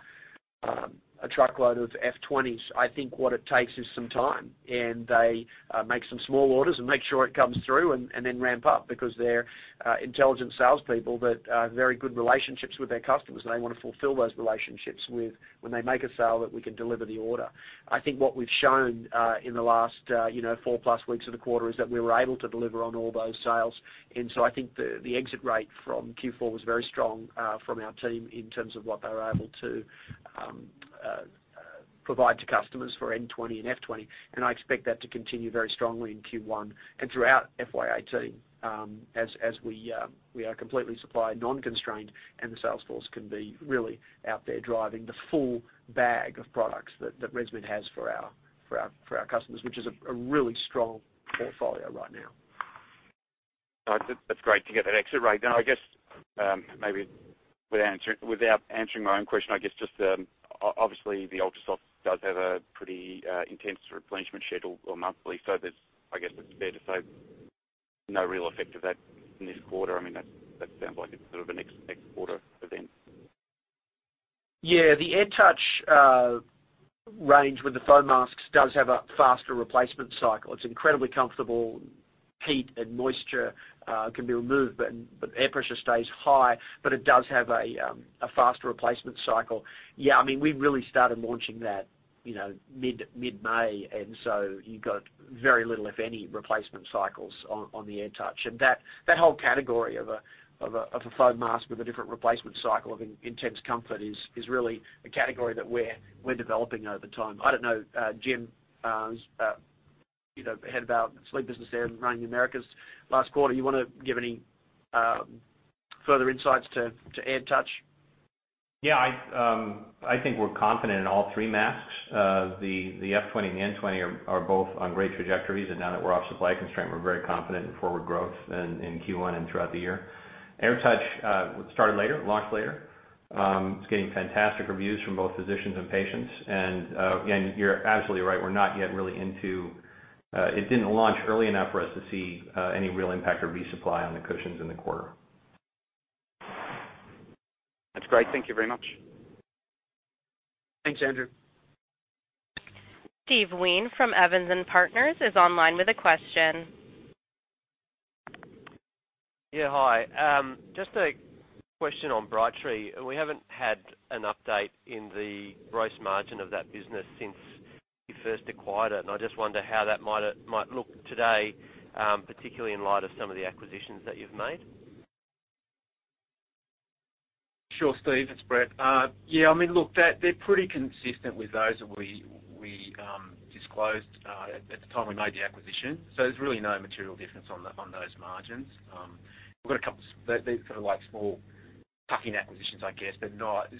a truckload of F20s." I think what it takes is some time, and they make some small orders and make sure it comes through and then ramp up because they're intelligent salespeople that have very good relationships with their customers, and they want to fulfill those relationships with, when they make a sale, that we can deliver the order. I think what we've shown in the last four-plus weeks of the quarter is that we were able to deliver on all those sales. I think the exit rate from Q4 was very strong from our team in terms of what they were able to provide to customers for N20 and F20, and I expect that to continue very strongly in Q1 and throughout FY 2018, as we are completely supply non-constrained and the sales force can be really out there driving the full bag of products that ResMed has for our customers, which is a really strong portfolio right now. That's great to get that exit rate. Now, I guess, maybe without answering my own question, I guess just obviously the UltraSoft does have a pretty intense replenishment schedule or monthly. I guess it's fair to say no real effect of that in this quarter. That sounds like it's sort of a next quarter event. The AirTouch range with the foam masks does have a faster replacement cycle. It's incredibly comfortable. Heat and moisture can be removed, but air pressure stays high. It does have a faster replacement cycle. We really started launching that mid-May, so you got very little, if any, replacement cycles on the AirTouch. That whole category of a foam mask with a different replacement cycle of intense comfort is really a category that we're developing over time. I don't know, Jim, who's head of our Sleep Business there and running the Americas last quarter, you want to give any further insights to AirTouch? I think we're confident in all three masks. The F20 and the N20 are both on great trajectories, and now that we're off supply constraint, we're very confident in forward growth in Q1 and throughout the year. AirTouch, it started later, launched later. It's getting fantastic reviews from both physicians and patients. You're absolutely right, we're not yet really into. It didn't launch early enough for us to see any real impact or resupply on the cushions in the quarter. That's great. Thank you very much. Thanks, Andrew. Steve Wheen from Evans and Partners is online with a question. Yeah. Hi. Just a question on Brightree. We haven't had an update in the gross margin of that business since you first acquired it, and I just wonder how that might look today, particularly in light of some of the acquisitions that you've made. Sure, Steve. It's Brett. Yeah, look, they're pretty consistent with those that we disclosed at the time we made the acquisition. There's really no material difference on those margins. We've got a couple, these sort of small tuck-in acquisitions, I guess, but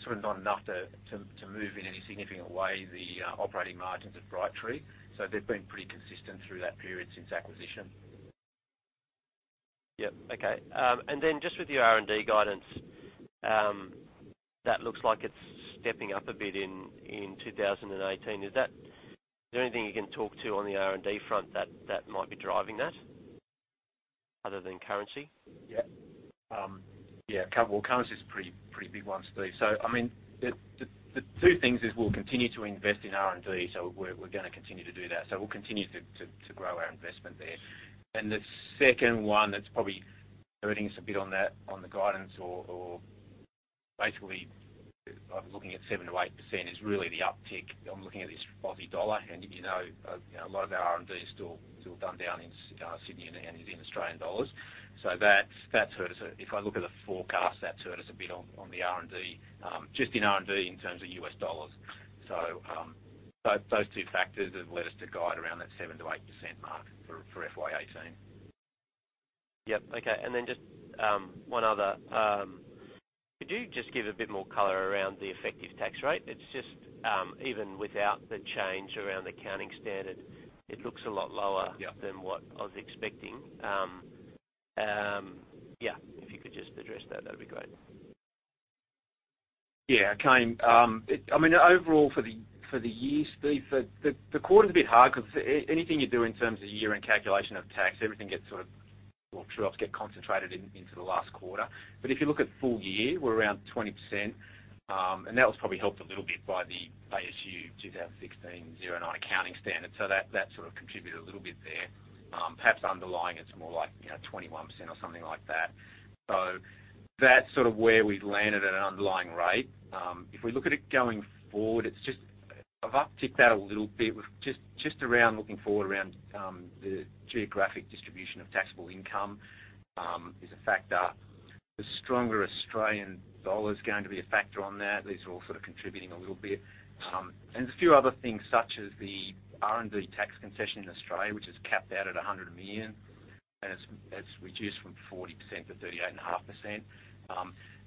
sort of not enough to move in any significant way the operating margins at Brightree. They've been pretty consistent through that period since acquisition. Yep. Okay. Just with your R&D guidance, that looks like it's stepping up a bit in 2018. Is there anything you can talk to on the R&D front that might be driving that, other than currency? Well, currency's a pretty big one, Steve. The two things is we'll continue to invest in R&D, we're going to continue to do that. We'll continue to grow our investment there. The second one that's probably hurting us a bit on the guidance or basically looking at 7%-8% is really the uptick on looking at this AUD. A lot of our R&D is still done down in Sydney and is in AUD. That's hurt us. If I look at the forecast, that's hurt us a bit on the R&D, just in R&D in terms of USD. Those two factors have led us to guide around that 7%-8% mark for FY 2018. Just one other. Could you just give a bit more color around the effective tax rate? It's just, even without the change around accounting standard, it looks a lot lower. Yep than what I was expecting. If you could just address that'd be great. [Kane]. Overall for the year, Steve, the quarter's a bit hard because anything you do in terms of year-end calculation of tax, everything gets sort of, well, true-ups get concentrated into the last quarter. If you look at full year, we're around 20%, and that was probably helped a little bit by the ASU 2016-09 accounting standard. That sort of contributed a little bit there. Perhaps underlying, it's more like 21% or something like that. That's sort of where we've landed at an underlying rate. If we look at it going forward, I've upticked that a little bit, just around looking forward around the geographic distribution of taxable income is a factor. The stronger AUD is going to be a factor on that. These are all sort of contributing a little bit. There's a few other things, such as the R&D tax concession in Australia, which is capped out at 100 million, and it's reduced from 40% to 38.5%.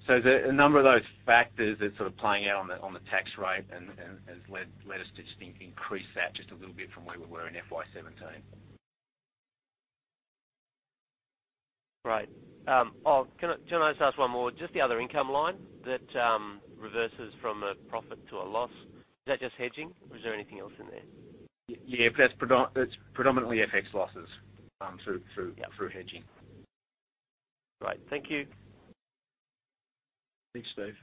There's a number of those factors that sort of playing out on the tax rate and has led us to just increase that just a little bit from where we were in FY 2017. Right. Can I just ask one more? Just the other income line that reverses from a profit to a loss, is that just hedging or is there anything else in there? Yeah, that's predominantly FX losses through hedging. Right. Thank you. Thanks, Steve.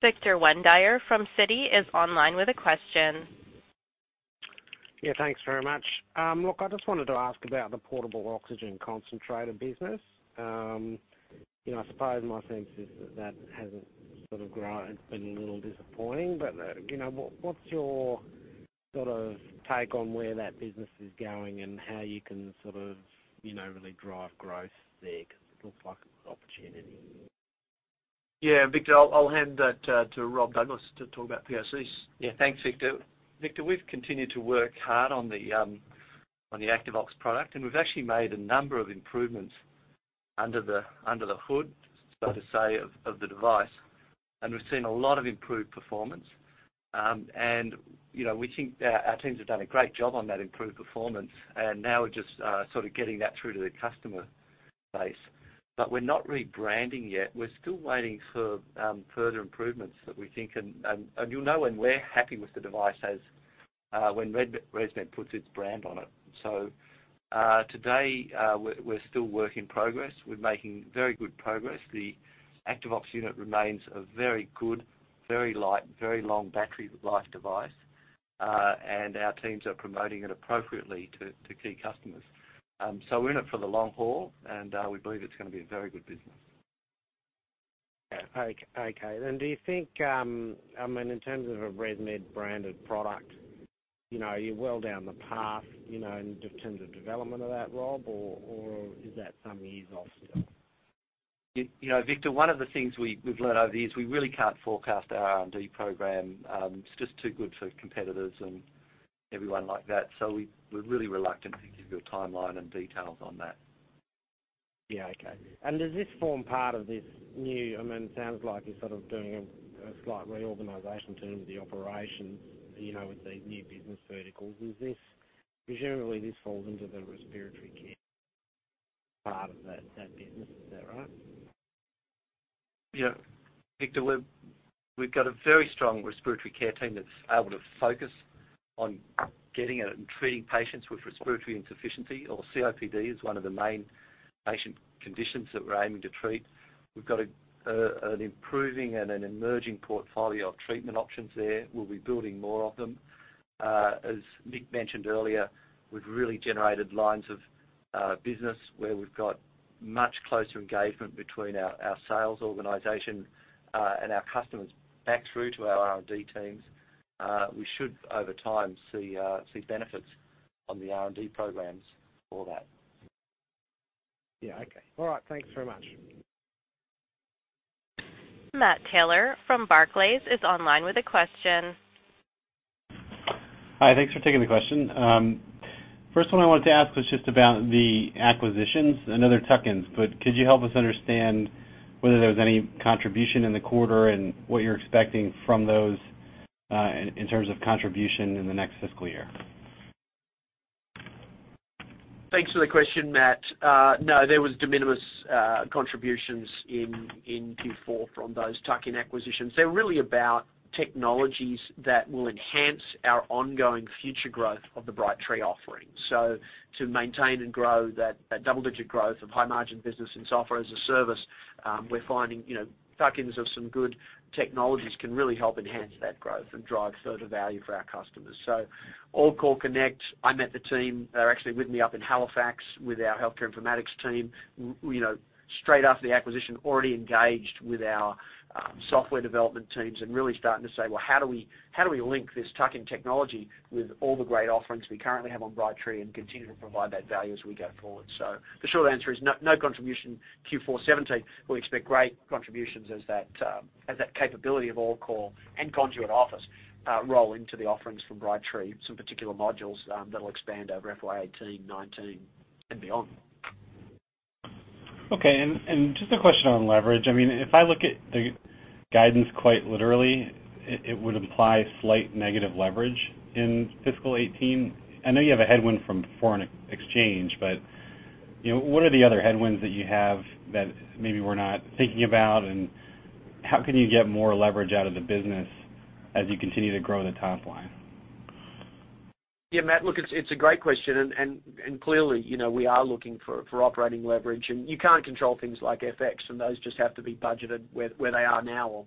Victor Windeyer from Citi is online with a question. Yeah, thanks very much. Look, I just wanted to ask about the portable oxygen concentrator business. I suppose my sense is that hasn't sort of grown. It's been a little disappointing, what's your sort of take on where that business is going and how you can sort of really drive growth there? Because it looks like an opportunity. Yeah. Victor, I'll hand that to Rob Douglas to talk about POCs. Thanks, Victor. Victor, we've continued to work hard on the Activox product, we've actually made a number of improvements under the hood, so to say, of the device. We've seen a lot of improved performance. We think our teams have done a great job on that improved performance, now we're just sort of getting that through to the customer base. We're not rebranding yet. We're still waiting for further improvements that we think, you'll know when we're happy with the device as when ResMed puts its brand on it. Today, we're still work in progress. We're making very good progress. The Activox unit remains a very good, very light, very long battery life device. Our teams are promoting it appropriately to key customers. We're in it for the long haul, we believe it's going to be a very good business. Do you think, in terms of a ResMed branded product, you're well down the path, in terms of development of that, Rob, or is that some years off still? Victor, one of the things we've learned over the years, we really can't forecast our R&D program. It's just too good for competitors and everyone like that. We're really reluctant to give you a timeline and details on that. Okay. Does this form part of this new, it sounds like you're sort of doing a slight reorganization in terms of the operations, with these new business verticals. Presumably, this falls into the respiratory care part of that business. Is that right? Victor, we've got a very strong respiratory care team that's able to focus on getting at and treating patients with respiratory insufficiency, or COPD is one of the main patient conditions that we're aiming to treat. We've got an improving and an emerging portfolio of treatment options there. We'll be building more of them. As Mick mentioned earlier, we've really generated lines of business where we've got much closer engagement between our sales organization, and our customers back through to our R&D teams. We should, over time, see benefits on the R&D programs for that. Okay. All right. Thanks very much. Matthew Taylor from Barclays is online with a question. Hi. Thanks for taking the question. First one I wanted to ask was just about the acquisitions. I know they're tuck-ins, could you help us understand whether there was any contribution in the quarter and what you're expecting from those, in terms of contribution in the next fiscal year? Thanks for the question, Matt. No, there was de minimis contributions in Q4 from those tuck-in acquisitions. They're really about technologies that will enhance our ongoing future growth of the Brightree offering. To maintain and grow that double-digit growth of high-margin business in software as a service, we're finding tuck-ins of some good technologies can really help enhance that growth and drive further value for our customers. AllCall Connect, I met the team. They're actually with me up in Halifax with our healthcare informatics team. Straight after the acquisition, already engaged with our software development teams and really starting to say, "Well, how do we link this tuck-in technology with all the great offerings we currently have on Brightree and continue to provide that value as we go forward?" The short answer is no contribution Q4 2017. We expect great contributions as that capability of AllCall and Conduit Office roll into the offerings from Brightree, some particular modules that will expand over FY 2018, 2019, and beyond. Okay. Just a question on leverage. If I look at the guidance quite literally, it would imply slight negative leverage in fiscal 2018. I know you have a headwind from foreign exchange, what are the other headwinds that you have that maybe we're not thinking about, how can you get more leverage out of the business as you continue to grow the top line? Matt, look, it's a great question, clearly, we are looking for operating leverage, you can't control things like FX and those just have to be budgeted where they are now or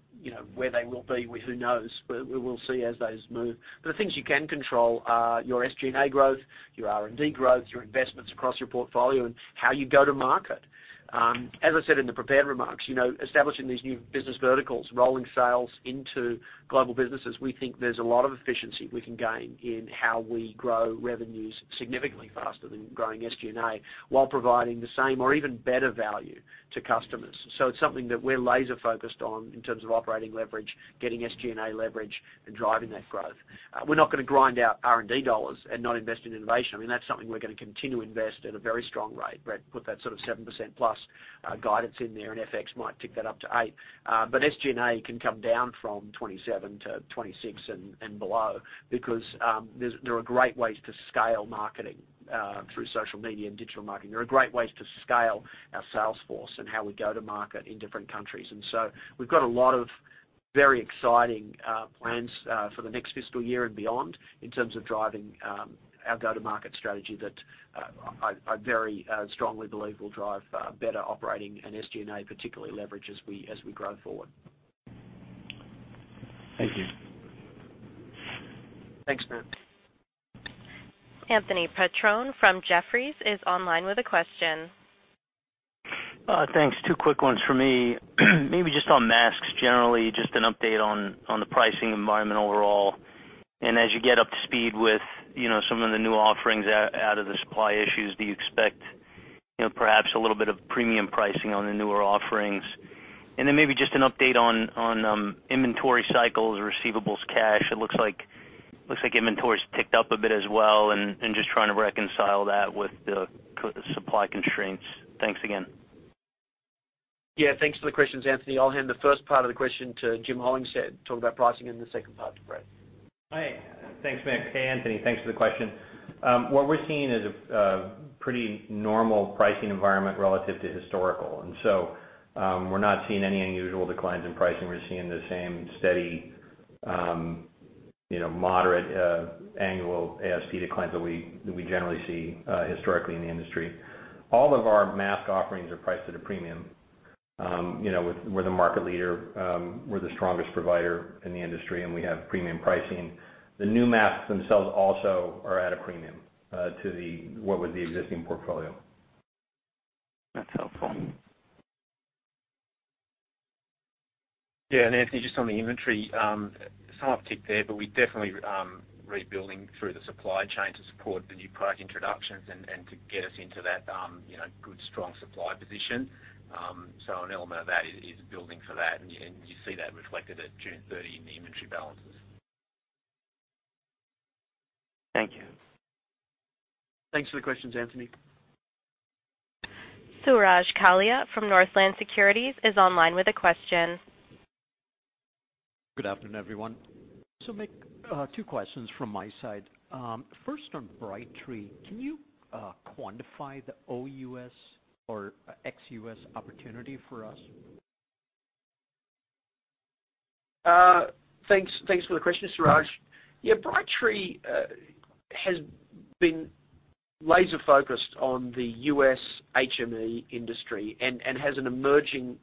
where they will be. Who knows? We will see as those move. The things you can control are your SG&A growth, your R&D growth, your investments across your portfolio, and how you go to market. As I said in the prepared remarks, establishing these new business verticals, rolling sales into global businesses, we think there's a lot of efficiency we can gain in how we grow revenues significantly faster than growing SG&A while providing the same or even better value to customers. It's something that we're laser-focused on in terms of operating leverage, getting SG&A leverage, and driving that growth. We're not going to grind out R&D dollars and not invest in innovation. That's something we're going to continue to invest at a very strong rate. Brett put that sort of 7%+ guidance in there, FX might tick that up to 8. SG&A can come down from 27 to 26 and below because there are great ways to scale marketing through social media and digital marketing. There are great ways to scale our sales force and how we go to market in different countries. we've got a lot of very exciting plans for the next fiscal year and beyond in terms of driving our go-to-market strategy that I very strongly believe will drive better operating and SG&A, particularly leverage as we grow forward. Thank you. Thanks, Matt. Anthony Petrone from Jefferies is online with a question. Thanks. Two quick ones for me. Maybe just on masks generally, just an update on the pricing environment overall, and as you get up to speed with some of the new offerings out of the supply issues, do you expect perhaps a little bit of premium pricing on the newer offerings? Maybe just an update on inventory cycles, receivables, cash. It looks like inventory's ticked up a bit as well, and just trying to reconcile that with the supply constraints. Thanks again. Yeah. Thanks for the questions, Anthony. I'll hand the first part of the question to Jim Hollingshead to talk about pricing and the second part to Brett. Hi. Thanks, Mick. Hey, Anthony. Thanks for the question. What we're seeing is a pretty normal pricing environment relative to historical, and so, we're not seeing any unusual declines in pricing. We're seeing the same steady, moderate annual ASP declines that we generally see historically in the industry. All of our mask offerings are priced at a premium. We're the market leader, we're the strongest provider in the industry, and we have premium pricing. The new masks themselves also are at a premium to what was the existing portfolio. That's helpful. Yeah. Anthony, just on the inventory, some have ticked there, we're definitely rebuilding through the supply chain to support the new product introductions and to get us into that good, strong supply position. An element of that is building for that, and you see that reflected at June 30 in the inventory balances. Thank you. Thanks for the questions, Anthony. Suraj Kalia from Northland Securities is online with a question. Good afternoon, everyone. Mick, two questions from my side. First, on Brightree, can you quantify the OUS or ex-U.S. opportunity for us? Thanks for the question, Suraj. Yeah, Brightree has been laser-focused on the U.S. HME industry and has an emerging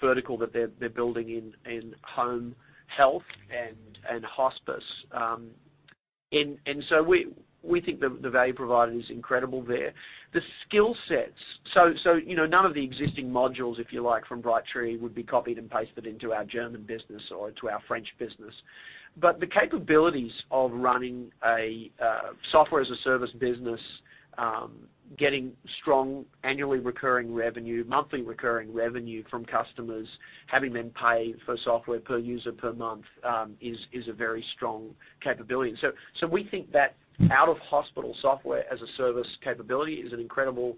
vertical that they're building in home health and hospice. We think the value provided is incredible there. The skill sets, none of the existing modules, if you like, from Brightree would be copied and pasted into our German business or to our French business. The capabilities of running a software-as-a-service business, getting strong annually recurring revenue, monthly recurring revenue from customers, having them pay for software per user per month, is a very strong capability. We think that out-of-hospital software-as-a-service capability is an incredible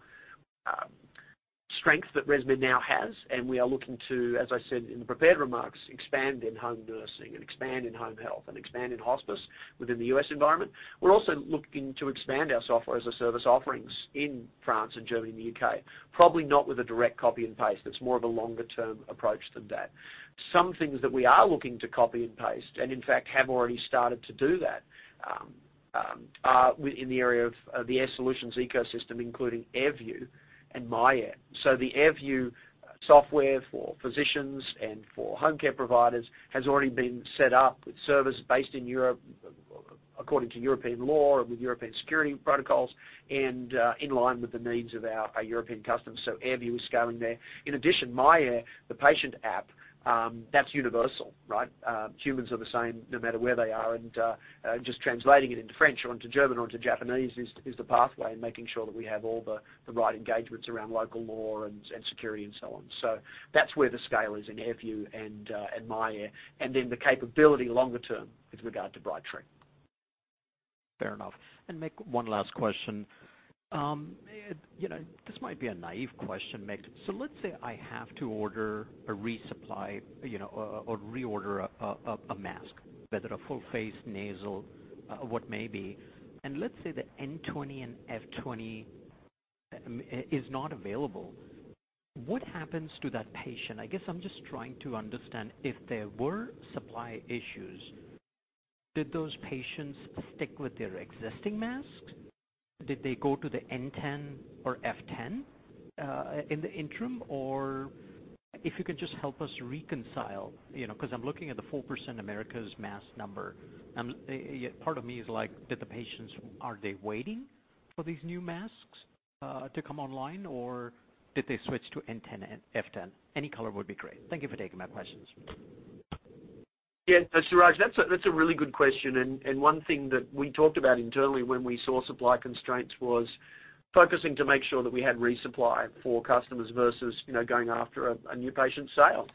strength that ResMed now has, and we are looking to, as I said in the prepared remarks, expand in home nursing and expand in home health and expand in hospice within the U.S. environment. We're also looking to expand our software-as-a-service offerings in France and Germany and the U.K., probably not with a direct copy and paste. That's more of a longer-term approach than that. Some things that we are looking to copy and paste, and in fact, have already started to do that, are within the area of the Air Solutions ecosystem, including AirView and myAir. The AirView software for physicians and for home care providers has already been set up with servers based in Europe, according to European law and with European security protocols and in line with the needs of our European customers. AirView is scaling there. In addition, myAir, the patient app, that's universal, right? Humans are the same no matter where they are. Just translating it into French or into German or into Japanese is the pathway, making sure that we have all the right engagements around local law and security and so on. That's where the scale is in AirView and myAir, then the capability longer term with regard to Brightree. Fair enough. Mick, one last question. This might be a naïve question, Mick. Let's say I have to order a resupply or reorder a mask, whether a full-face, nasal, what may be, let's say the N20 and F20 is not available. What happens to that patient? I guess I'm just trying to understand, if there were supply issues, did those patients stick with their existing masks? Did they go to the N10 or F10, in the interim? Or if you can just help us reconcile, because I'm looking at the 4% America's mask number. Part of me is like, did the patients, are they waiting for these new masks, to come online, or did they switch to N10 and F10? Any color would be great. Thank you for taking my questions. Yeah. Suraj, that's a really good question. One thing that we talked about internally when we saw supply constraints was focusing to make sure that we had resupply for customers versus going after a new patient sale.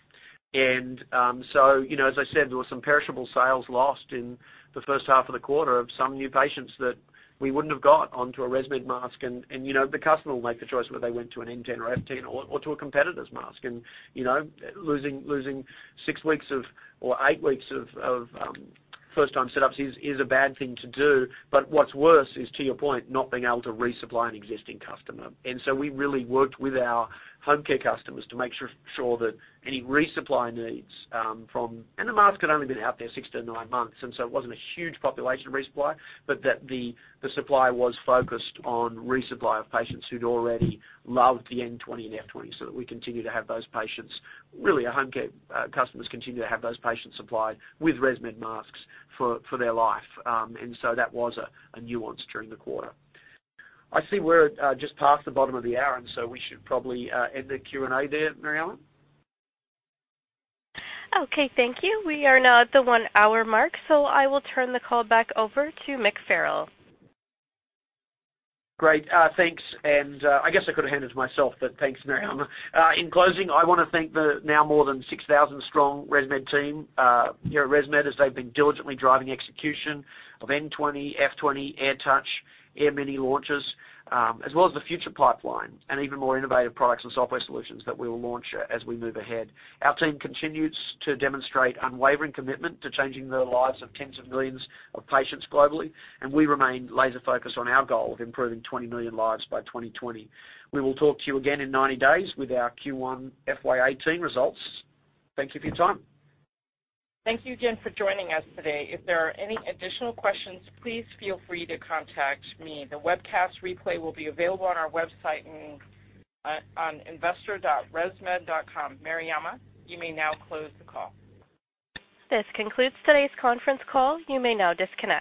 As I said, there was some perishable sales lost in the first half of the quarter of some new patients that we wouldn't have got onto a ResMed mask. The customer will make the choice whether they went to an N10 or F10 or to a competitor's mask. Losing six weeks of, or eight weeks of first-time setups is a bad thing to do, but what's worse is, to your point, not being able to resupply an existing customer. We really worked with our home care customers to make sure that any resupply needs from The mask had only been out there six to nine months, so it wasn't a huge population resupply, but that the supply was focused on resupply of patients who'd already loved the N20 and F20, so that we continue to have those patients, really, our home care customers continue to have those patients supplied with ResMed masks for their life. That was a nuance during the quarter. I see we're just past the bottom of the hour, we should probably, end the Q&A there, Mariama. Okay, thank you. We are now at the one-hour mark. I will turn the call back over to Mick Farrell. Great. Thanks. I guess I could have handled it myself. Thanks, Mariama. In closing, I want to thank the now more than 6,000 strong ResMed team, here at ResMed as they've been diligently driving execution of N20, F20, AirTouch, AirMini launches, as well as the future pipeline and even more innovative products and software solutions that we will launch as we move ahead. Our team continues to demonstrate unwavering commitment to changing the lives of tens of millions of patients globally, and we remain laser-focused on our goal of improving 20 million lives by 2020. We will talk to you again in 90 days with our Q1 FY 2018 results. Thank you for your time. Thank you again for joining us today. If there are any additional questions, please feel free to contact me. The webcast replay will be available on our website on investor.resmed.com. Mariama, you may now close the call. This concludes today's conference call. You may now disconnect.